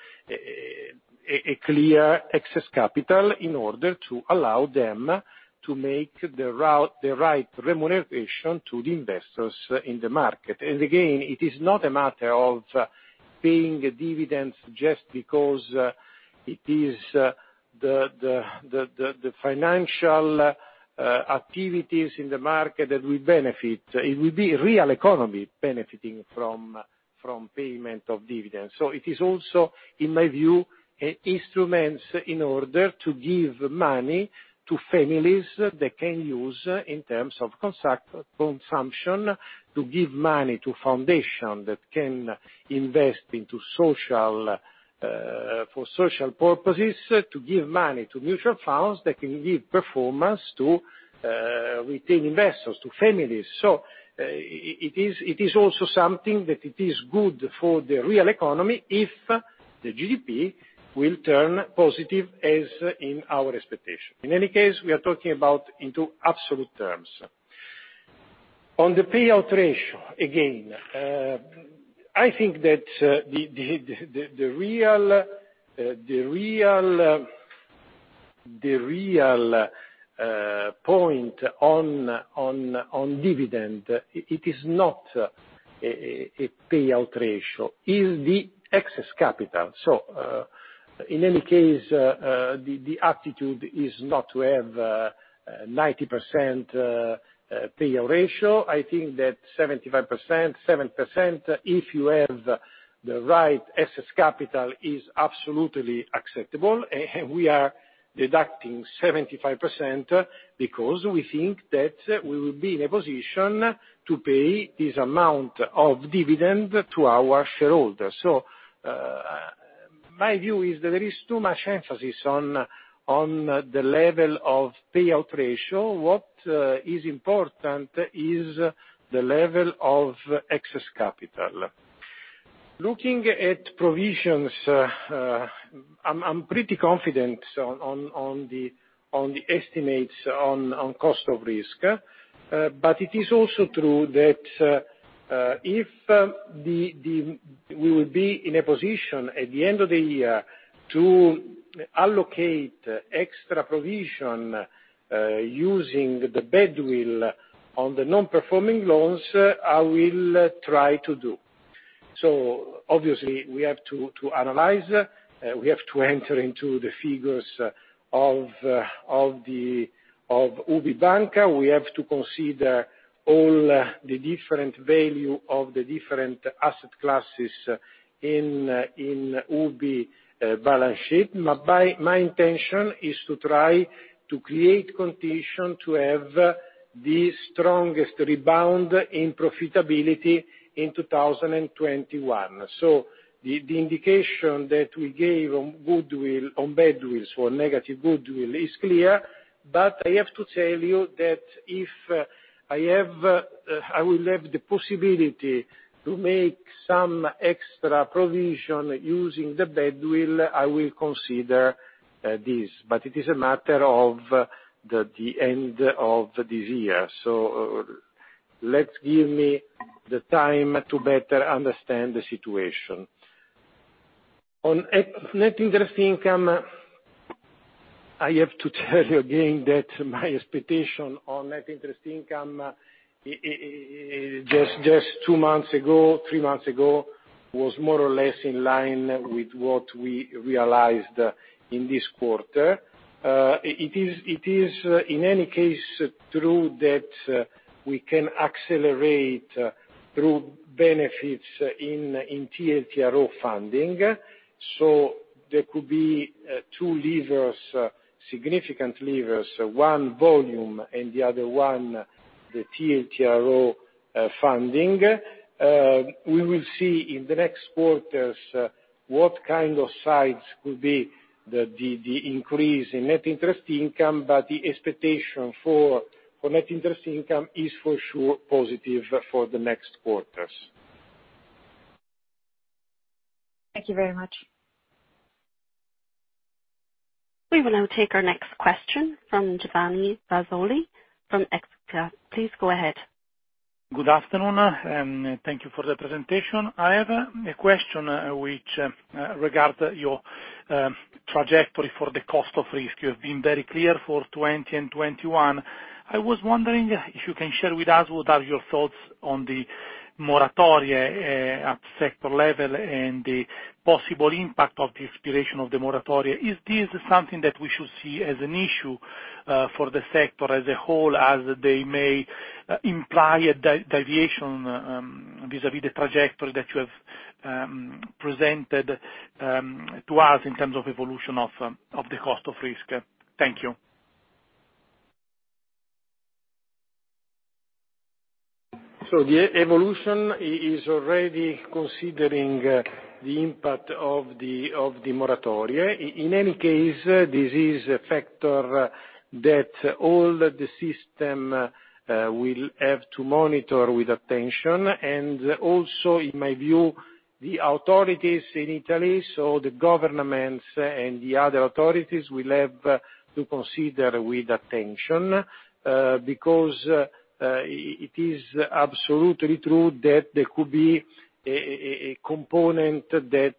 a clear excess capital in order to allow them to make the right remuneration to the investors in the market. Again, it is not a matter of paying a dividend just because it is the financial activities in the market that will benefit. It will be real economy benefiting from payment of dividends. It is also, in my view, instruments in order to give money to families they can use in terms of consumption, to give money to foundation that can invest for social purposes, to give money to mutual funds that can give performance to retail investors, to families. It is also something that it is good for the real economy if the GDP will turn positive as in our expectation. In any case, we are talking about into absolute terms. On the payout ratio, again, I think that the real point on dividend, it is not a payout ratio. It is the excess capital. In any case, the attitude is not to have 90% payout ratio. I think that 75%, 70%, if you have the right excess capital, is absolutely acceptable. We are deducting 75% because we think that we will be in a position to pay this amount of dividend to our shareholders. My view is that there is too much emphasis on the level of payout ratio. What is important is the level of excess capital. Looking at provisions, I'm pretty confident on the estimates on cost of risk. It is also true that if we will be in a position at the end of the year to allocate extra provision using the badwill on the non-performing loans, I will try to do. Obviously, we have to analyze, we have to enter into the figures of UBI Banca. We have to consider all the different value of the different asset classes in UBI balance sheet. My intention is to try to create condition to have the strongest rebound in profitability in 2021. The indication that we gave on badwills for negative goodwill is clear. I have to tell you that if I will have the possibility to make some extra provision using the badwill, I will consider this, but it is a matter of the end of this year. Let's give me the time to better understand the situation. On net interest income, I have to tell you again that my expectation on net interest income just two months ago, three months ago, was more or less in line with what we realized in this quarter. It is, in any case, true that we can accelerate through benefits in TLTRO funding. There could be two significant levers, one volume, and the other one the TLTRO funding. We will see in the next quarters what kind of sides could be the increase in net interest income, but the expectation for net interest income is for sure positive for the next quarters.
Thank you very much.
We will now take our next question from Giovanni Razzoli from Equita. Please go ahead.
Good afternoon. Thank you for the presentation. I have a question which regards your trajectory for the cost of risk. You have been very clear for 2020 and 2021. I was wondering if you can share with us what are your thoughts on the moratoria at sector level and the possible impact of the expiration of the moratoria. Is this something that we should see as an issue for the sector as a whole, as they may imply a deviation vis-à-vis the trajectory that you have presented to us in terms of evolution of the cost of risk? Thank you.
The evolution is already considering the impact of the moratoria. In any case, this is a factor that all the system will have to monitor with attention, and also, in my view, the authorities in Italy, so the governments and the other authorities will have to consider with attention. It is absolutely true that there could be a component that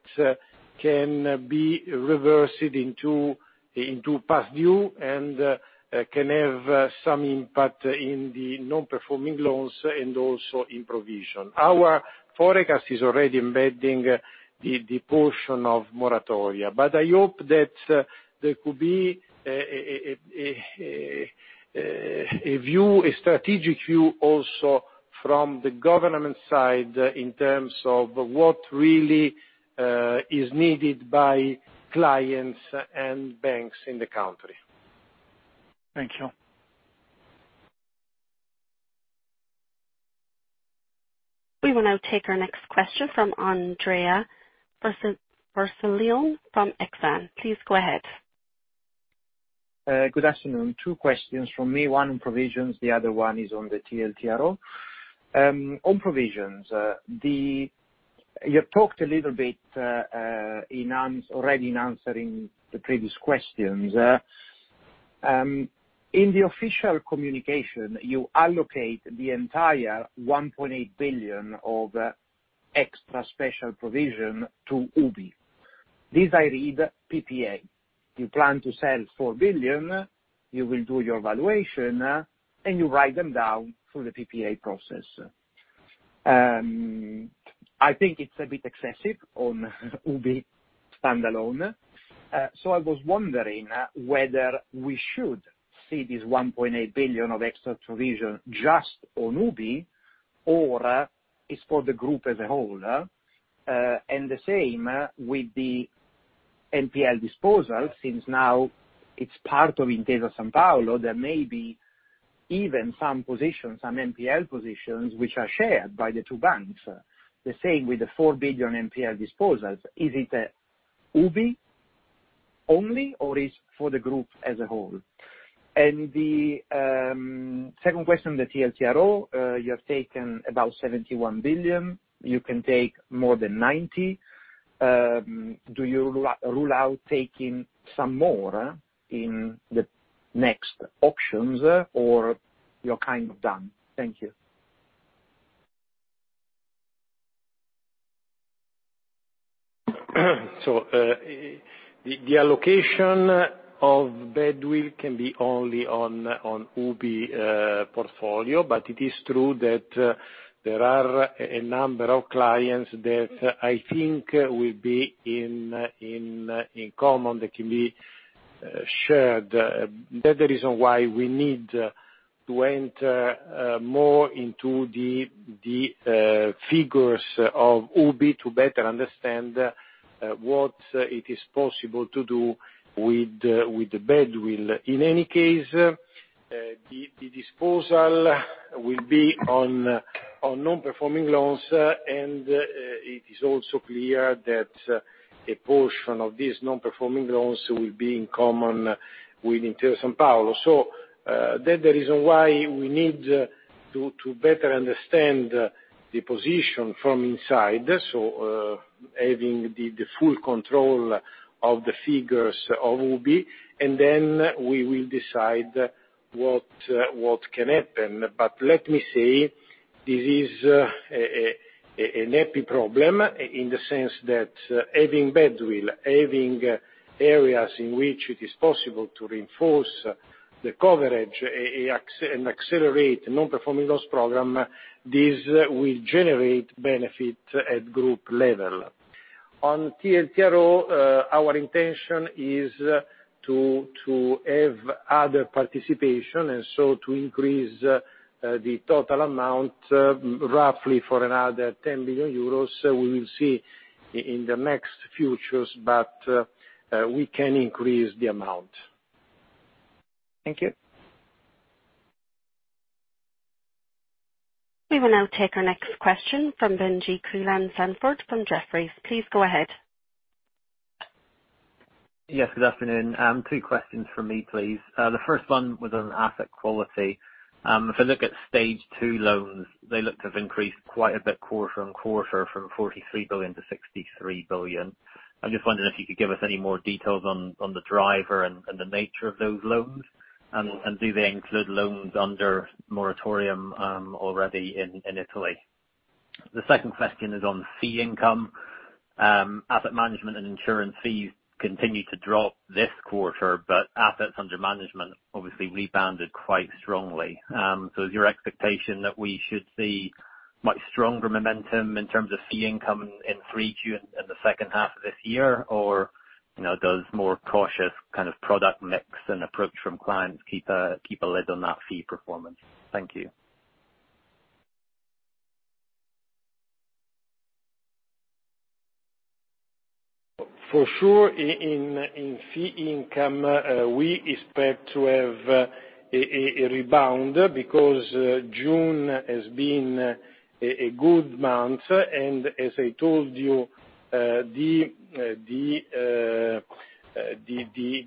can be reversed into past due and can have some impact in the non-performing loans and also in provision. Our forecast is already embedding the portion of moratoria. I hope that there could be a strategic view also from the government side in terms of what really is needed by clients and banks in the country.
Thank you.
We will now take our next question from Andrea Vercellone from Exane. Please go ahead.
Good afternoon. Two questions from me. One, provisions, the other one is on the TLTRO. On provisions, you talked a little bit already in answering the previous questions. In the official communication, you allocate the entire 1.8 billion of extra special provision to UBI. This I read PPA. You plan to sell 4 billion, you will do your valuation, and you write them down through the PPA process. I think it's a bit excessive on UBI standalone. I was wondering whether we should see this 1.8 billion of extra provision just on UBI, or is for the group as a whole. The same with the NPL disposal, since now it's part of Intesa Sanpaolo, there may be even some NPL positions which are shared by the 2 banks. The same with the 4 billion NPL disposals. Is it UBI only, or is for the group as a whole? The second question, the TLTRO, you have taken about 71 billion EUR, you can take more than 90 billion EUR. Do you rule out taking some more in the next auctions, or you're kind of done? Thank you.
The allocation of badwill can be only on UBI portfolio, but it is true that there are a number of clients that I think will be in common, that can be shared. That is the reason why we need to enter more into the figures of UBI to better understand what it is possible to do with the badwill. The disposal will be on non-performing loans, and it is also clear that a portion of these non-performing loans will be in common with Intesa Sanpaolo. That is the reason why we need to better understand the position from inside. Having the full control of the figures of UBI, and then we will decide what can happen. Let me say, this is an epic problem in the sense that having badwill, having areas in which it is possible to reinforce the coverage and accelerate the non-performing loans program, this will generate benefit at group level. On TLTRO, our intention is to have other participation, to increase the total amount roughly for another 10 billion euros. We will see in the next futures, we can increase the amount.
Thank you.
We will now take our next question from Benjie Creelan-Sandford from Jefferies. Please go ahead.
Yes, good afternoon. Two questions from me, please. The first one was on asset quality. If I look at Stage 2 loans, they look to have increased quite a bit quarter on quarter from 43 billion to 63 billion. I'm just wondering if you could give us any more details on the driver and the nature of those loans. Do they include loans under moratorium already in Italy? The second question is on fee income. Asset management and insurance fees continued to drop this quarter, assets under management obviously rebounded quite strongly. Is your expectation that we should see much stronger momentum in terms of fee income in 3Q, in the second half of this year? Does more cautious product mix and approach from clients keep a lid on that fee performance? Thank you.
For sure, in fee income, we expect to have a rebound because June has been a good month. As I told you, the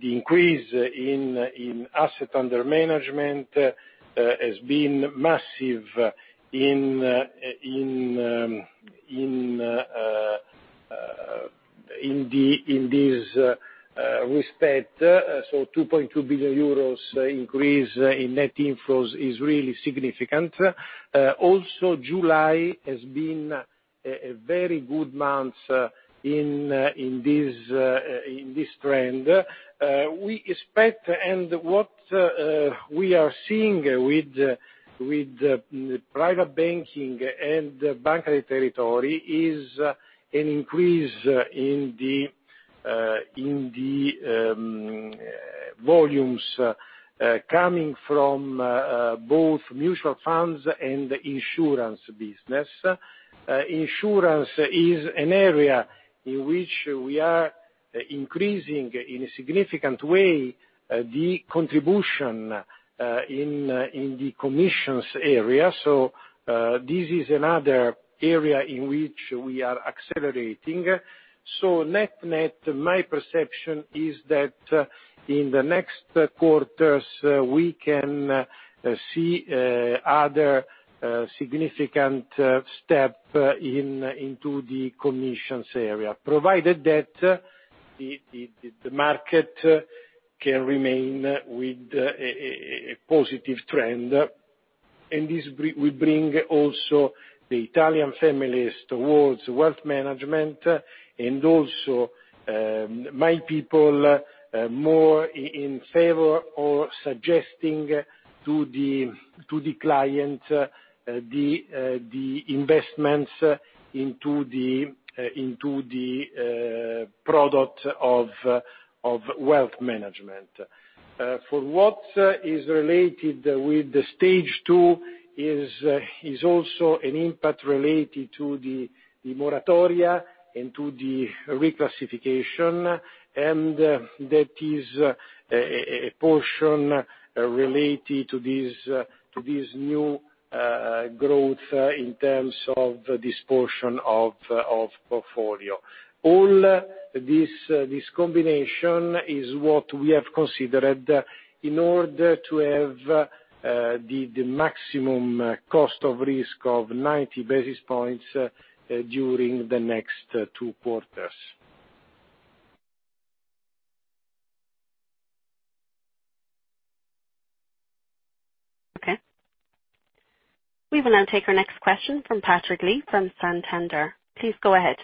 increase in asset under management has been massive in this respect. 2.2 billion euros increase in net inflows is really significant. Also, July has been a very good month in this trend. We expect and what we are seeing with the private banking and Banca dei Territori is an increase in the volumes coming from both mutual funds and insurance business. Insurance is an area in which we are increasing, in a significant way, the contribution in the commissions area. This is another area in which we are accelerating. Net-net, my perception is that in the next quarters, we can see other significant step into the commissions area, provided that the market can remain with a positive trend. This will bring also the Italian families towards wealth management, and also my people more in favor of suggesting to the client the investments into the product of wealth management. For what is related with the Stage 2 is also an impact related to the moratoria and to the reclassification, and that is a portion related to this new growth in terms of this portion of portfolio. All this combination is what we have considered in order to have the maximum cost of risk of 90 basis points during the next two quarters.
Okay. We will now take our next question from Patrick Lee from Santander. Please go ahead.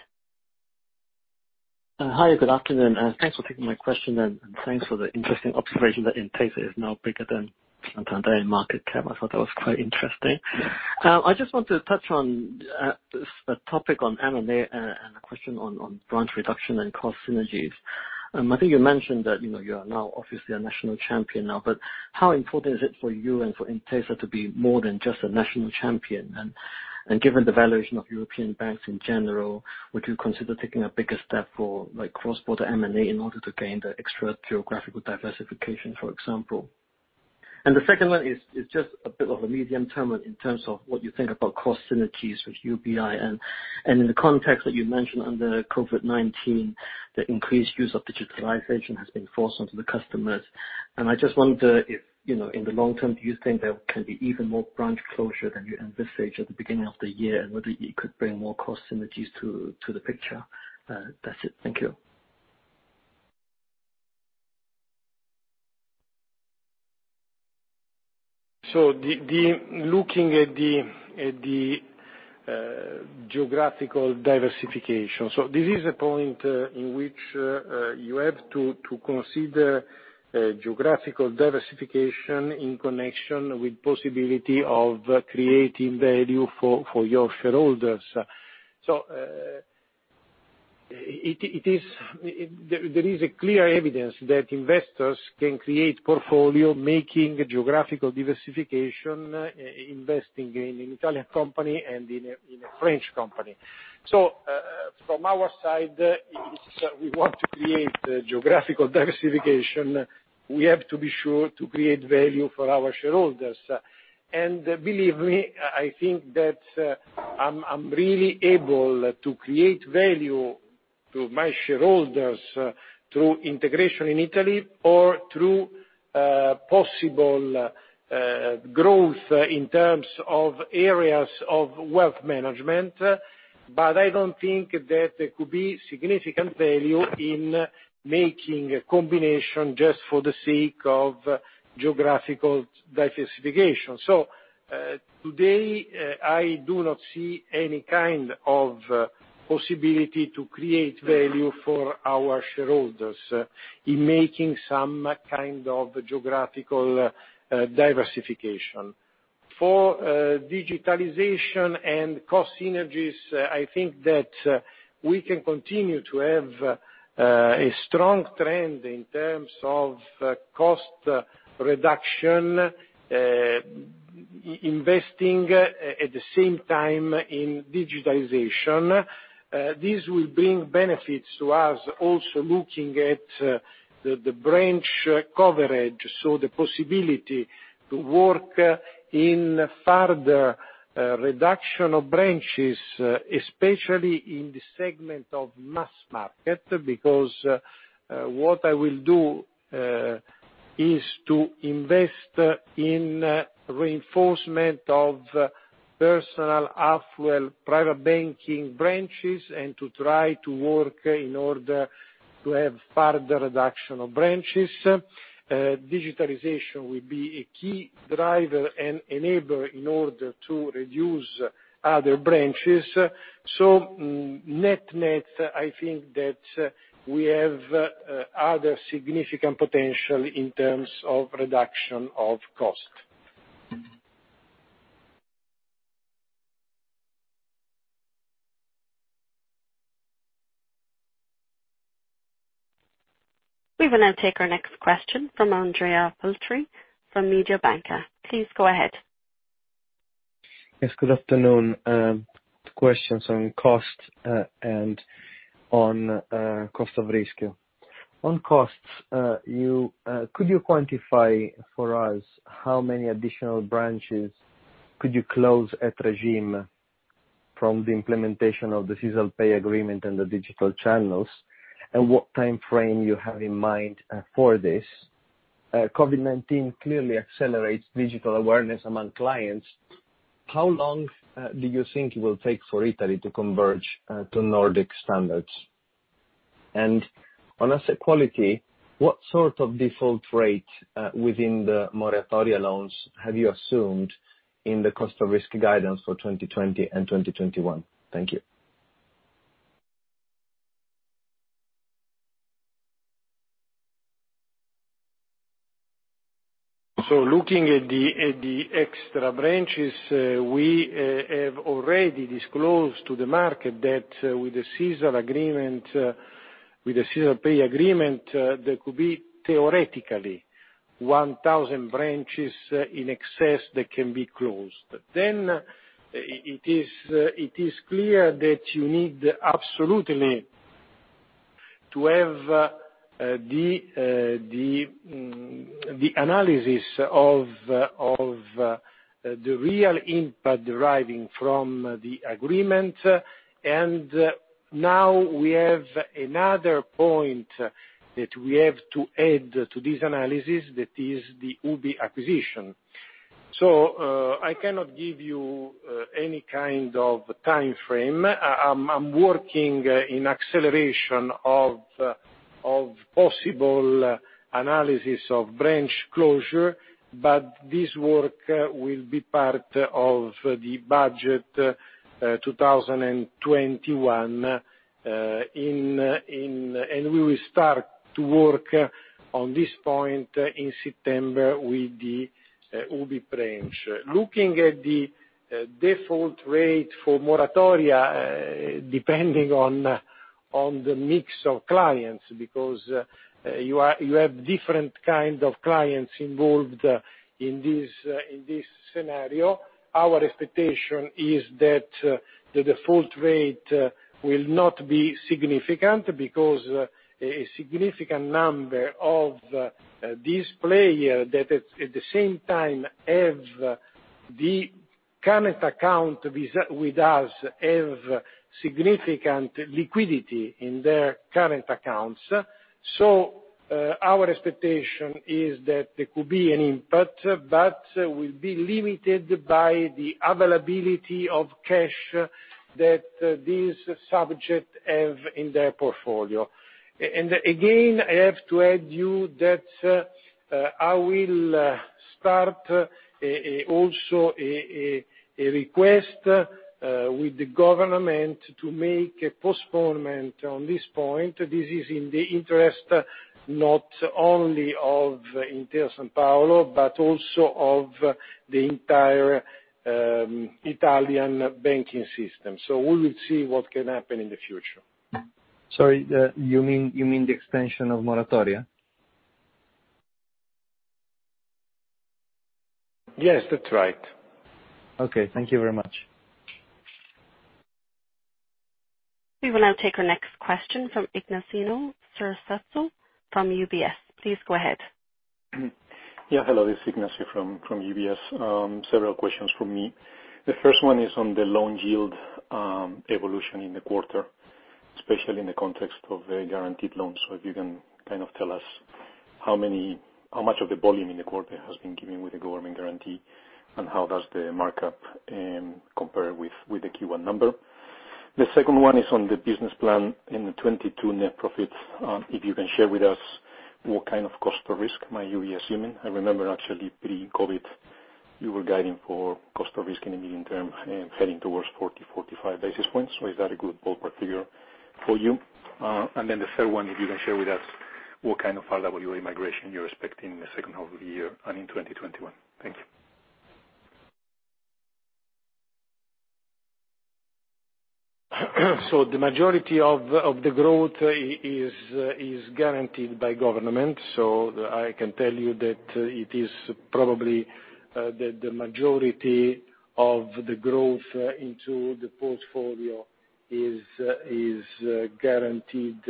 Hi, good afternoon. Thanks for taking my question and thanks for the interesting observation that Intesa is now bigger than Santander in market cap. I thought that was quite interesting. I just want to touch on a topic on M&A and a question on branch reduction and cost synergies. I think you mentioned that you are now obviously a national champion now, but how important is it for you and for Intesa to be more than just a national champion and given the valuation of European banks in general, would you consider taking a bigger step for cross-border M&A in order to gain the extra geographical diversification, for example? The second one is just a bit of a medium term in terms of what you think about cost synergies with UBI. In the context that you mentioned under COVID-19, the increased use of digitalization has been forced onto the customers. I just wonder if, in the long term, do you think there can be even more branch closure than you envisaged at the beginning of the year, and whether it could bring more cost synergies to the picture. That's it. Thank you.
Looking at the geographical diversification. This is a point in which you have to consider geographical diversification in connection with possibility of creating value for your shareholders. There is a clear evidence that investors can create portfolio making geographical diversification, investing in an Italian company and in a French company. From our side, we want to create geographical diversification. We have to be sure to create value for our shareholders. Believe me, I think that I'm really able to create value to my shareholders through integration in Italy or through possible growth in terms of areas of wealth management. I don't think that there could be significant value in making a combination just for the sake of geographical diversification. Today, I do not see any kind of possibility to create value for our shareholders in making some kind of geographical diversification. For digitalization and cost synergies, I think that we can continue to have a strong trend in terms of cost reduction, investing at the same time in digitalization. This will bring benefits to us also looking at the branch coverage, so the possibility to work in further reduction of branches, especially in the segment of mass market, because what I will do is to invest in reinforcement of personal affluent private banking branches and to try to work in order to have further reduction of branches. Digitalization will be a key driver and enabler in order to reduce other branches. Net-net, I think that we have other significant potential in terms of reduction of cost.
We will now take our next question from Andrea Filtri from Mediobanca. Please go ahead.
Yes, good afternoon. Two questions on cost and on cost of risk. On costs, could you quantify for us how many additional branches could you close at regime from the implementation of the SisalPay agreement and the digital channels, and what time frame you have in mind for this? COVID-19 clearly accelerates digital awareness among clients. How long do you think it will take for Italy to converge to Nordic standards? On asset quality, what sort of default rate within the moratoria loans have you assumed in the cost of risk guidance for 2020 and 2021? Thank you.
Looking at the extra branches, we have already disclosed to the market that with the Sisal Pay agreement, there could be theoretically 1,000 branches in excess that can be closed. It is clear that you need absolutely to have the analysis of the real impact deriving from the agreement. Now we have another point that we have to add to this analysis that is the UBI acquisition. I cannot give you any kind of time frame. I'm working in acceleration of possible analysis of branch closure, but this work will be part of the budget 2021, and we will start to work on this point in September with the UBI branch. Looking at the default rate for moratoria, depending on the mix of clients, because you have different kinds of clients involved in this scenario. Our expectation is that the default rate will not be significant, because a significant number of these players that at the same time have the current account with us have significant liquidity in their current accounts. Our expectation is that there could be an impact, but will be limited by the availability of cash that these subjects have in their portfolio. Again, I have to add you that I will start also a request with the government to make a postponement on this point. This is in the interest not only of Intesa Sanpaolo, but also of the entire Italian banking system. We will see what can happen in the future.
Sorry, you mean the extension of moratoria?
Yes, that's right.
Okay. Thank you very much.
We will now take our next question from Ignacino Sasot from UBS. Please go ahead.
Hello, this is Ignacino from UBS. Several questions from me. The first one is on the loan yield evolution in the quarter, especially in the context of the guaranteed loans. If you can tell us how much of the volume in the quarter has been given with the government guarantee, and how does the markup compare with the Q1 number. The second one is on the business plan in the 2022 net profits. If you can share with us what kind of cost of risk might you be assuming. I remember actually pre-COVID, you were guiding for cost of risk in the medium term and heading towards 40, 45 basis points. Is that a good ballpark figure for you? The third one, if you can share with us what kind of RWA migration you're expecting in the second half of the year and in 2021. Thank you.
The majority of the growth is guaranteed by government. I can tell you that it is probably the majority of the growth into the portfolio is guaranteed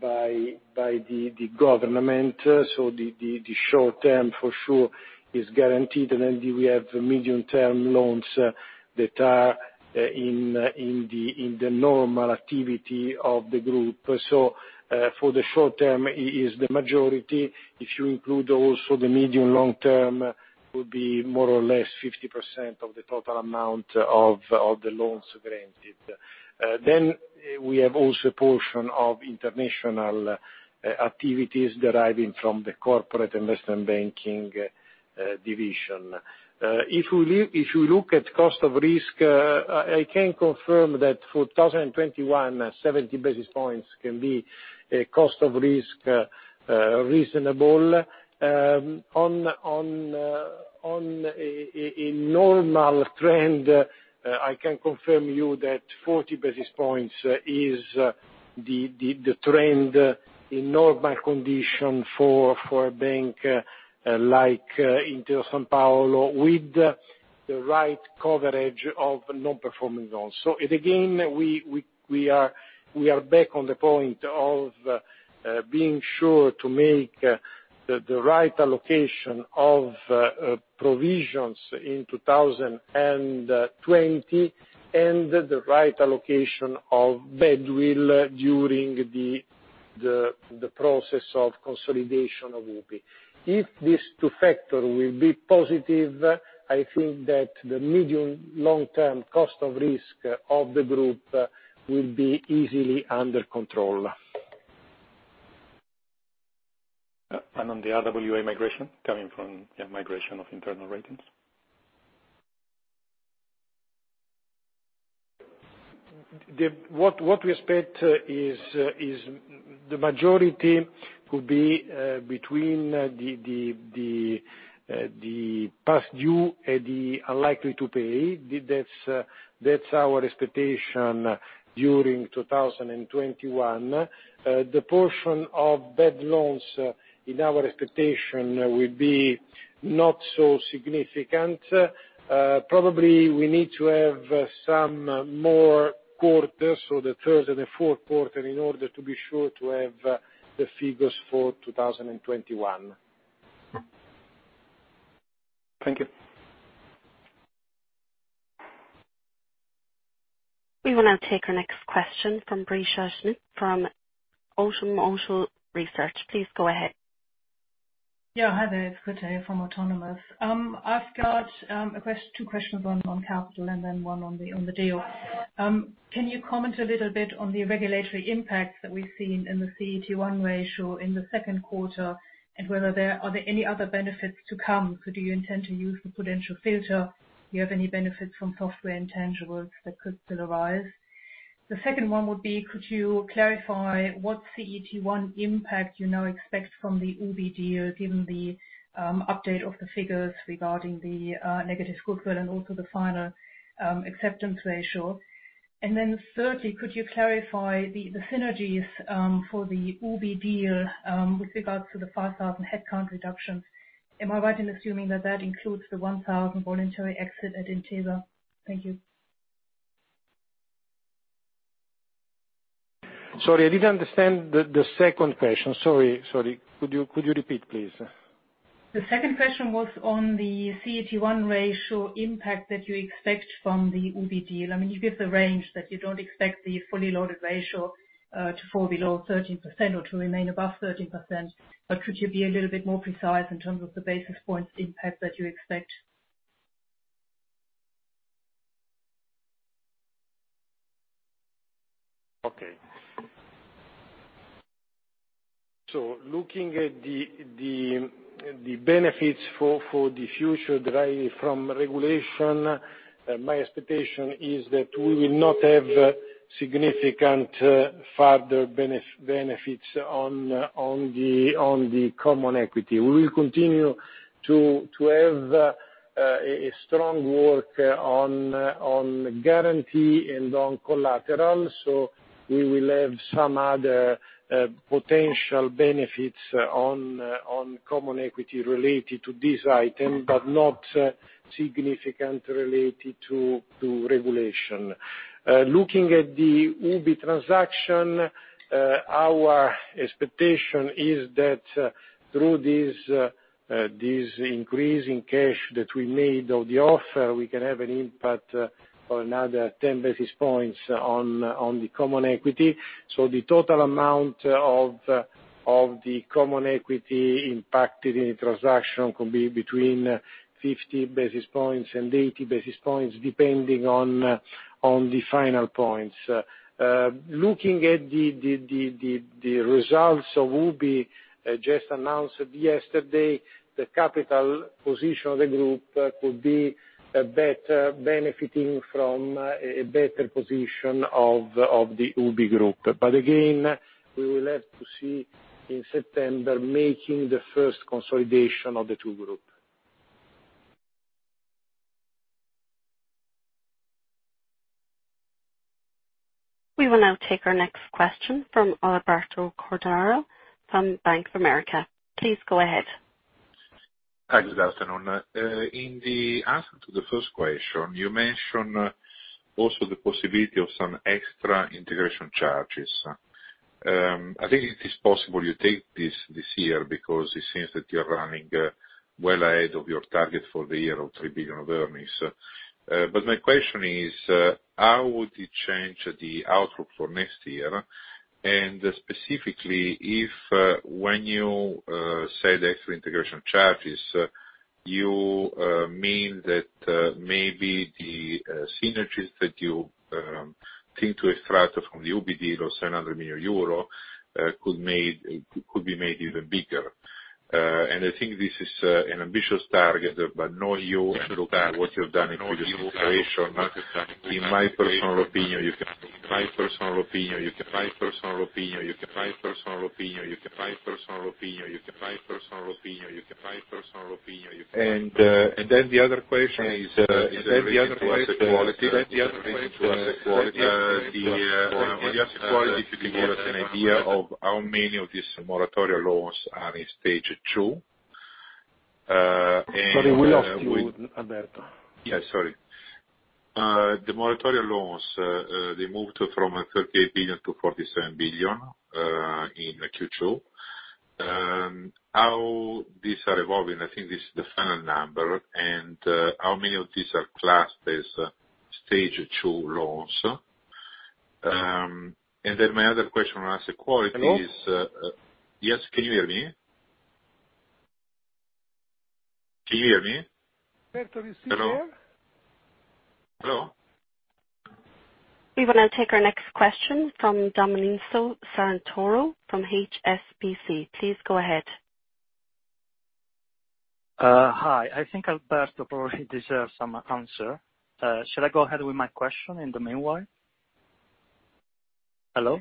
by the government. The short-term for sure is guaranteed. We have medium-term loans that are in the normal activity of the group. For the short-term is the majority. If you include also the medium-long-term, will be more or less 50% of the total amount of the loans granted. We have also a portion of international activities deriving from the corporate investment banking division. If you look at cost of risk, I can confirm that for 2021, 70 basis points can be a cost of risk reasonable. On a normal trend, I can confirm you that 40 basis points is the trend in normal condition for a bank like Intesa Sanpaolo, with the right coverage of non-performing loans. Again, we are back on the point of being sure to make the right allocation of provisions in 2020 and the right allocation of badwill during the process of consolidation of UBI. If these two factor will be positive, I think that the medium long-term cost of risk of the group will be easily under control.
On the RWA migration coming from migration of internal ratings?
What we expect is the majority could be between the past due and the unlikely to pay. That's our expectation during 2021. The portion of bad loans in our expectation will be not so significant. Probably we need to have some more quarters, so the third and the fourth quarter in order to be sure to have the figures for 2021.
Thank you.
We will now take our next question from Britta Schmidt from Autonomous Research. Please go ahead.
Hi there, it's Britta from Autonomous. I've got two questions, one on capital and then one on the deal. Can you comment a little bit on the regulatory impacts that we've seen in the CET1 ratio in the second quarter, and whether there are any other benefits to come? Could you intend to use the potential filter, do you have any benefits from software intangibles that could still arise? The second one would be, could you clarify what CET1 impact you now expect from the UBI deal, given the update of the figures regarding the negative goodwill and also the final acceptance ratio? Thirdly, could you clarify the synergies for the UBI deal with regards to the 5,000 headcount reduction? Am I right in assuming that that includes the 1,000 voluntary exit at Intesa? Thank you.
Sorry, I didn't understand the second question. Sorry. Could you repeat, please?
The second question was on the CET1 ratio impact that you expect from the UBI deal. You give the range that you don't expect the fully loaded ratio to fall below 13% or to remain above 13%, but could you be a little bit more precise in terms of the basis points impact that you expect?
Looking at the benefits for the future derived from regulation, my expectation is that we will not have significant further benefits on the Common Equity. We will continue to have a strong work on guarantee and on collateral, so we will have some other potential benefits on Common Equity related to this item, but not significantly related to regulation. Looking at the UBI transaction, our expectation is that through this increase in cash that we made of the offer, we can have an impact of another 10 basis points on the Common Equity. The total amount of the Common Equity impacted in the transaction could be between 50 basis points and 80 basis points, depending on the final points. Looking at the results of UBI just announced yesterday, the capital position of the group could be better benefitting from a better position of the UBI Group. Again, we will have to see in September, making the first consolidation of the two group.
We will now take our next question from Alberto Cordara from Bank of America. Please go ahead.
Hi, good afternoon. In the answer to the first question, you mentioned also the possibility of some extra integration charges. I think it is possible you take this year because it seems that you're running well ahead of your target for the year of 3 billion of earnings. My question is, how would it change the outlook for next year? Specifically, if when you said extra integration charges, you mean that maybe the synergies that you think to extract from the UBI deal of 700 million euro could be made even bigger. I think this is an ambitious target, but knowing you and looking at what you've done in previous integration, in my personal opinion, you can. The other question is related to asset quality. On asset quality, if you can give us an idea of how many of these moratoria loans are in Stage 2?
Sorry, we lost you, Alberto.
Yeah, sorry. The moratoria loans, they moved from 38 billion to 47 billion in Q2. How these are evolving, I think this is the final number, how many of these are classed as Stage 2 loans?
Hello?
Yes. Can you hear me? Can you hear me?
Alberto, is he here?
Hello? Hello?
We will now take our next question from Domenico Santoro from HSBC. Please go ahead.
Hi. I think Alberto probably deserves some answer. Should I go ahead with my question in the meanwhile? Hello?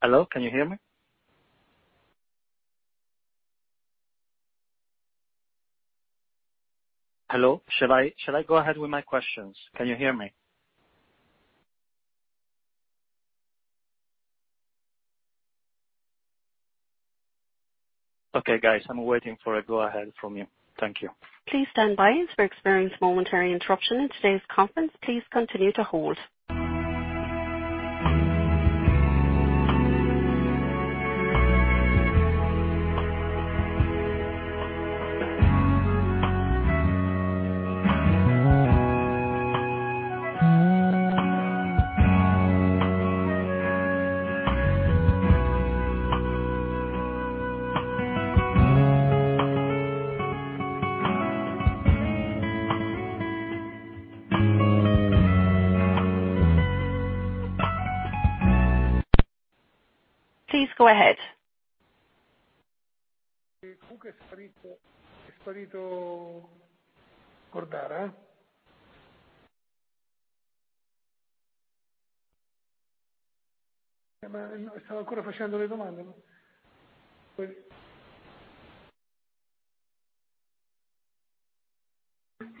Hello, can you hear me? Hello, shall I go ahead with my questions? Can you hear me? Okay, guys, I'm waiting for a go ahead from you. Thank you.
Please stand by. We're experiencing momentary interruption in today's conference. Please continue to hold. Please go ahead.
I'm still asking the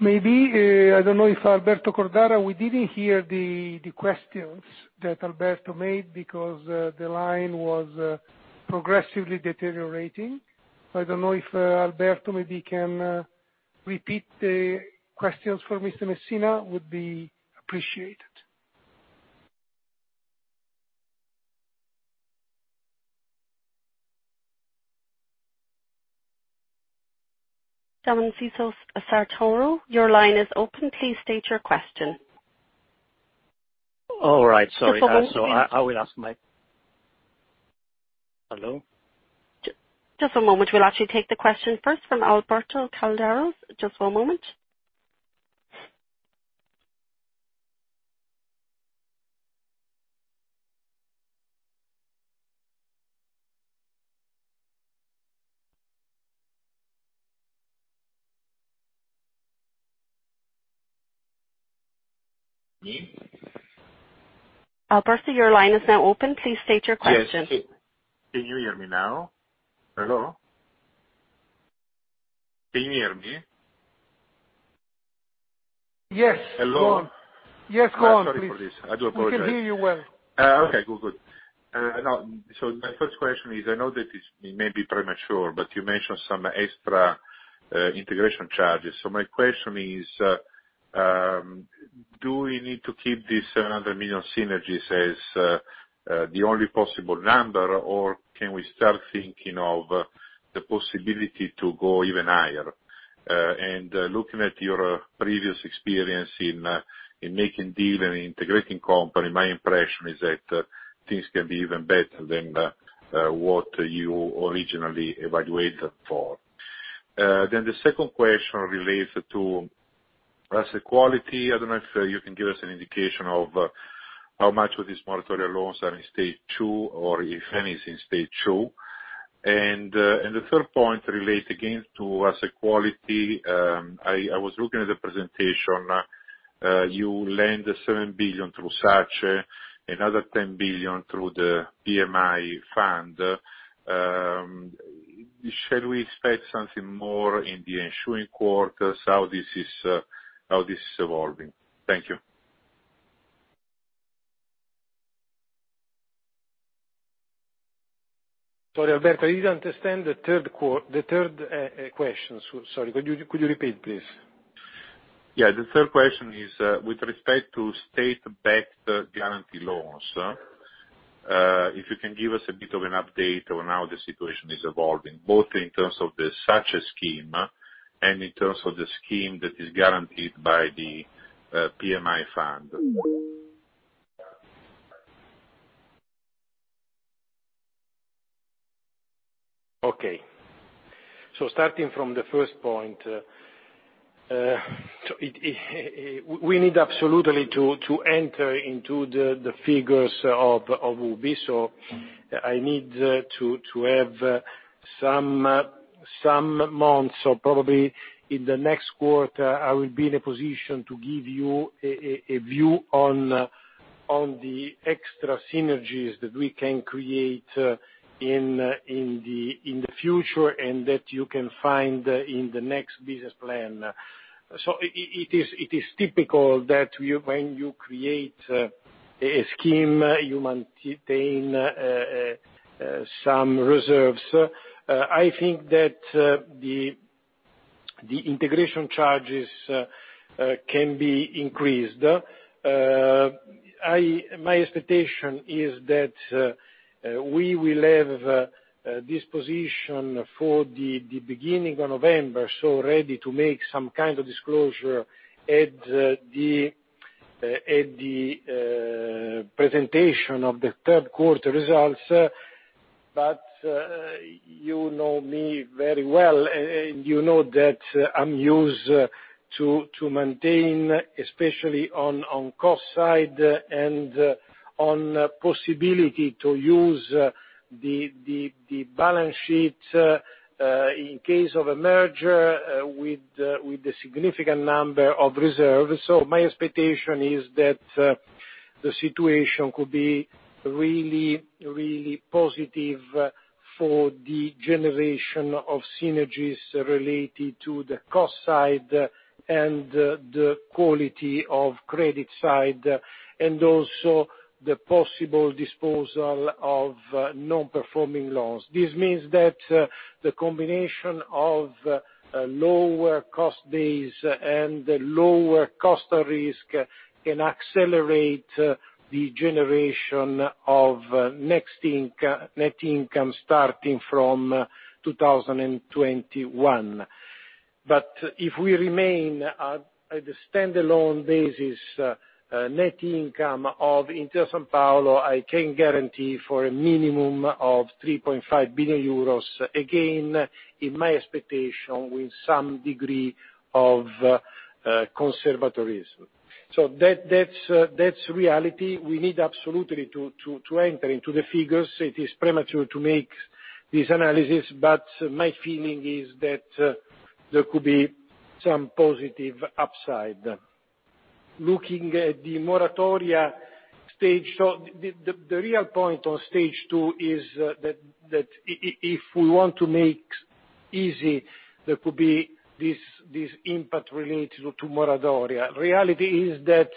questions. Maybe, I don't know if Alberto Cordara, we didn't hear the questions that Alberto made because the line was progressively deteriorating. I don't know if Alberto maybe can repeat the questions for Mr. Messina, would be appreciated.
Domenico Santoro, your line is open. Please state your question.
All right. Sorry. I will ask my. Hello?
Just a moment. We'll actually take the question first from Alberto Cordara. Just one moment. Alberto, your line is now open. Please state your question.
Yes. Can you hear me now? Hello? Can you hear me?
Yes, go on.
Hello.
Yes, go on, please. Sorry for this. I do apologize. We can hear you well.
Okay, good. My first question is, I know that this may be premature, you mentioned some extra integration charges. My question is, do we need to keep this 700 million synergies as the only possible number, or can we start thinking of the possibility to go even higher? Looking at your previous experience in making deals and integrating companies, my impression is that things can be even better than what you originally evaluated for. The second question relates to asset quality. I don't know if you can give us an indication of how much of these moratoria loans are in stage 2, or if any is in stage 2. The third point relates again to asset quality. I was looking at the presentation. You lend 7 billion through SACE, another 10 billion through the PMI fund. Shall we expect something more in the ensuing quarters, how this is evolving? Thank you.
Sorry, Alberto. I didn't understand the third question. Sorry. Could you repeat, please?
Yeah. The third question is with respect to state-backed guarantee loans. If you can give us a bit of an update on how the situation is evolving, both in terms of the SACE scheme and in terms of the scheme that is guaranteed by the PMI fund.
Okay. Starting from the first point. We need absolutely to enter into the figures of UBI. I need to have some months, probably in the next quarter, I will be in a position to give you a view on the extra synergies that we can create in the future and that you can find in the next business plan. It is typical that when you create a scheme, you maintain some reserves. I think that the integration charges can be increased. My expectation is that we will have this position for the beginning of November, ready to make some kind of disclosure at the presentation of the third quarter results. You know me very well, and you know that I'm used to maintain, especially on cost side and on possibility to use the balance sheet in case of a merger with a significant number of reserves. My expectation is that the situation could be really positive for the generation of synergies related to the cost side and the quality of credit side, and also the possible disposal of non-performing loans. This means that the combination of lower cost base and lower cost of risk can accelerate the generation of net income starting from 2021. If we remain at a standalone basis net income of Intesa Sanpaolo, I can guarantee for a minimum of 3.5 billion euros, again, in my expectation, with some degree of conservatism. That's reality. We need absolutely to enter into the figures. It is premature to make this analysis, but my feeling is that there could be some positive upside. Looking at the moratoria stage. The real point on Stage 2 is that if we want to make easy, there could be this impact related to moratoria. Reality is that,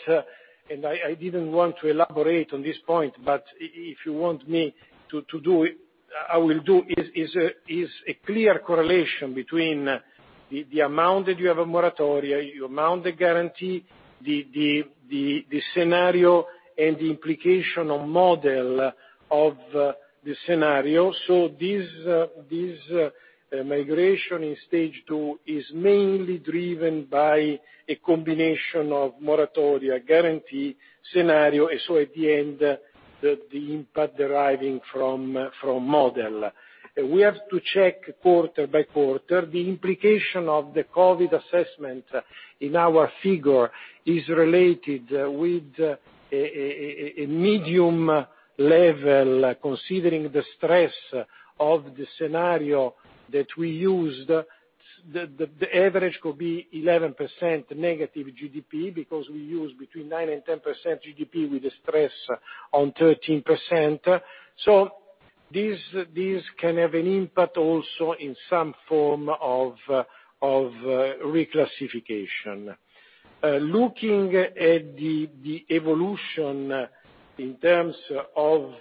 I didn't want to elaborate on this point, but if you want me to do it, I will do. Is a clear correlation between the amount that you have a moratoria, the amount, the guarantee, the scenario, and the implication on model of the scenario. This migration in Stage 2 is mainly driven by a combination of moratoria guarantee scenario. At the end, the impact deriving from model, we have to check quarter by quarter. The implication of the COVID assessment in our figure is related with a medium level, considering the stress of the scenario that we used. The average could be 11% negative GDP because we use between 9% and 10% GDP with the stress on 13%. This can have an impact also in some form of reclassification. Looking at the evolution in terms of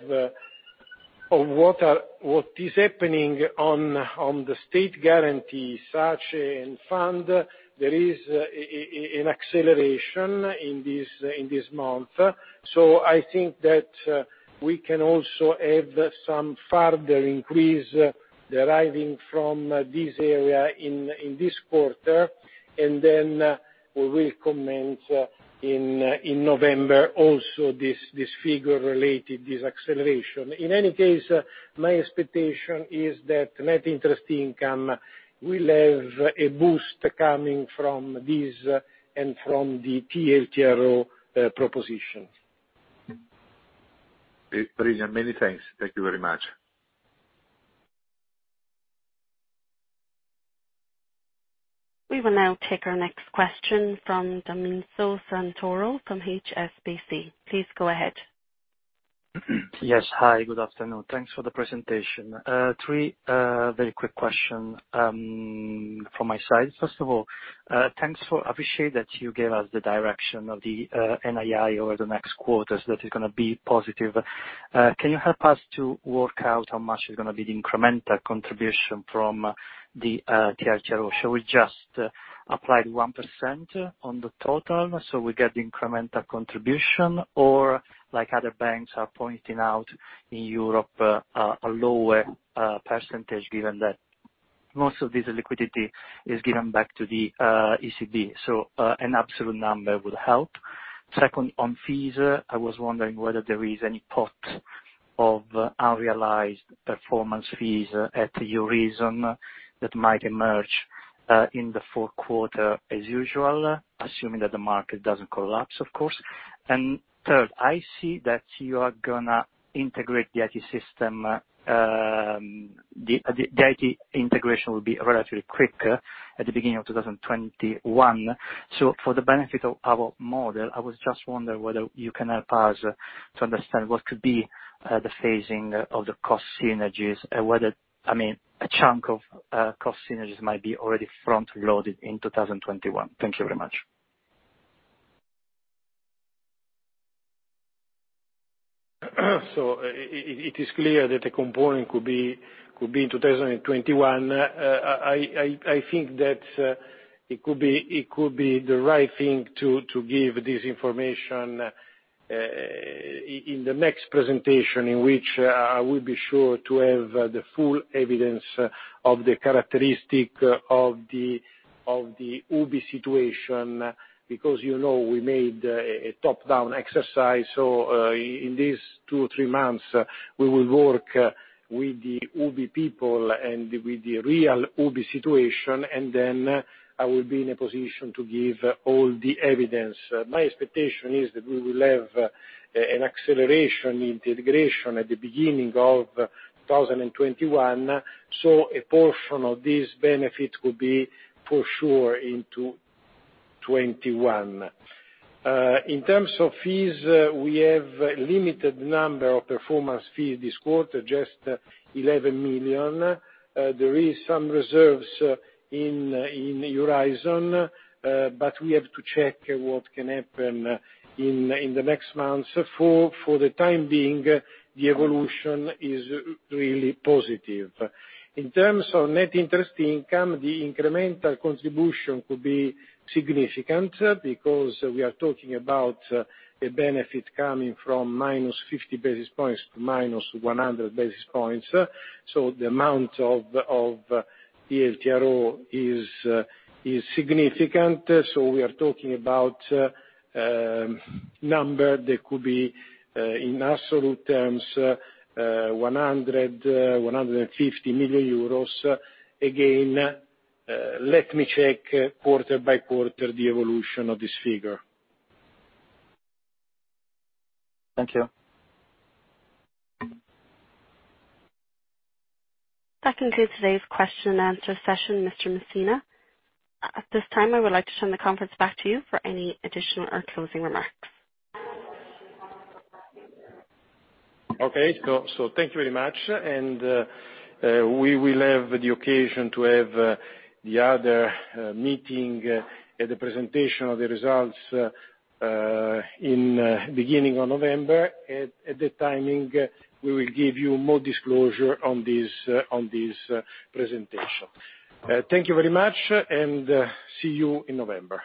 what is happening on the state guarantee, SACE and fund, there is an acceleration in this month. I think that we can also have some further increase deriving from this area in this quarter, and then we will comment in November also, this figure related, this acceleration. In any case, my expectation is that net interest income will have a boost coming from this and from the TLTRO proposition.
Brilliant. Many thanks. Thank you very much.
We will now take our next question from Domenico Santoro from HSBC. Please go ahead.
Yes. Hi, good afternoon. Thanks for the presentation. Three very quick question from my side. First of all, appreciate that you gave us the direction of the NII over the next quarters, that is going to be positive. Can you help us to work out how much is going to be the incremental contribution from the TLTRO? Shall we just apply the 1% on the total so we get the incremental contribution? Or like other banks are pointing out, in Europe, a lower percentage given that most of this liquidity is given back to the ECB. An absolute number would help. Second, on fees, I was wondering whether there is any pot of unrealized performance fees at Eurizon that might emerge in the fourth quarter as usual, assuming that the market doesn't collapse, of course. Third, I see that you are going to integrate the IT system. The IT integration will be relatively quick at the beginning of 2021. For the benefit of our model, I was just wonder whether you can help us to understand what could be the phasing of the cost synergies and whether a chunk of cost synergies might be already front-loaded in 2021. Thank you very much.
It is clear that the component could be in 2021. I think that it could be the right thing to give this information in the next presentation, in which I will be sure to have the full evidence of the characteristic of the UBI situation, because we made a top-down exercise. In these two, three months, we will work with the UBI people and with the real UBI situation, and then I will be in a position to give all the evidence. My expectation is that we will have an acceleration in integration at the beginning of 2021, a portion of this benefit could be for sure into 2021. In terms of fees, we have limited number of performance fee this quarter, just 11 million. There is some reserves in Eurizon, we have to check what can happen in the next months. For the time being, the evolution is really positive. In terms of net interest income, the incremental contribution could be significant because we are talking about a benefit coming from minus 50 basis points to minus 100 basis points. The amount of the TLTRO is significant. We are talking about number that could be, in absolute terms, 100, 150 million euros. Again, let me check quarter by quarter the evolution of this figure.
Thank you.
That concludes today's question and answer session, Mr. Messina. At this time, I would like to turn the conference back to you for any additional or closing remarks.
Okay. Thank you very much. We will have the occasion to have the other meeting at the presentation of the results in beginning of November. At the timing, we will give you more disclosure on this presentation. Thank you very much, and see you in November.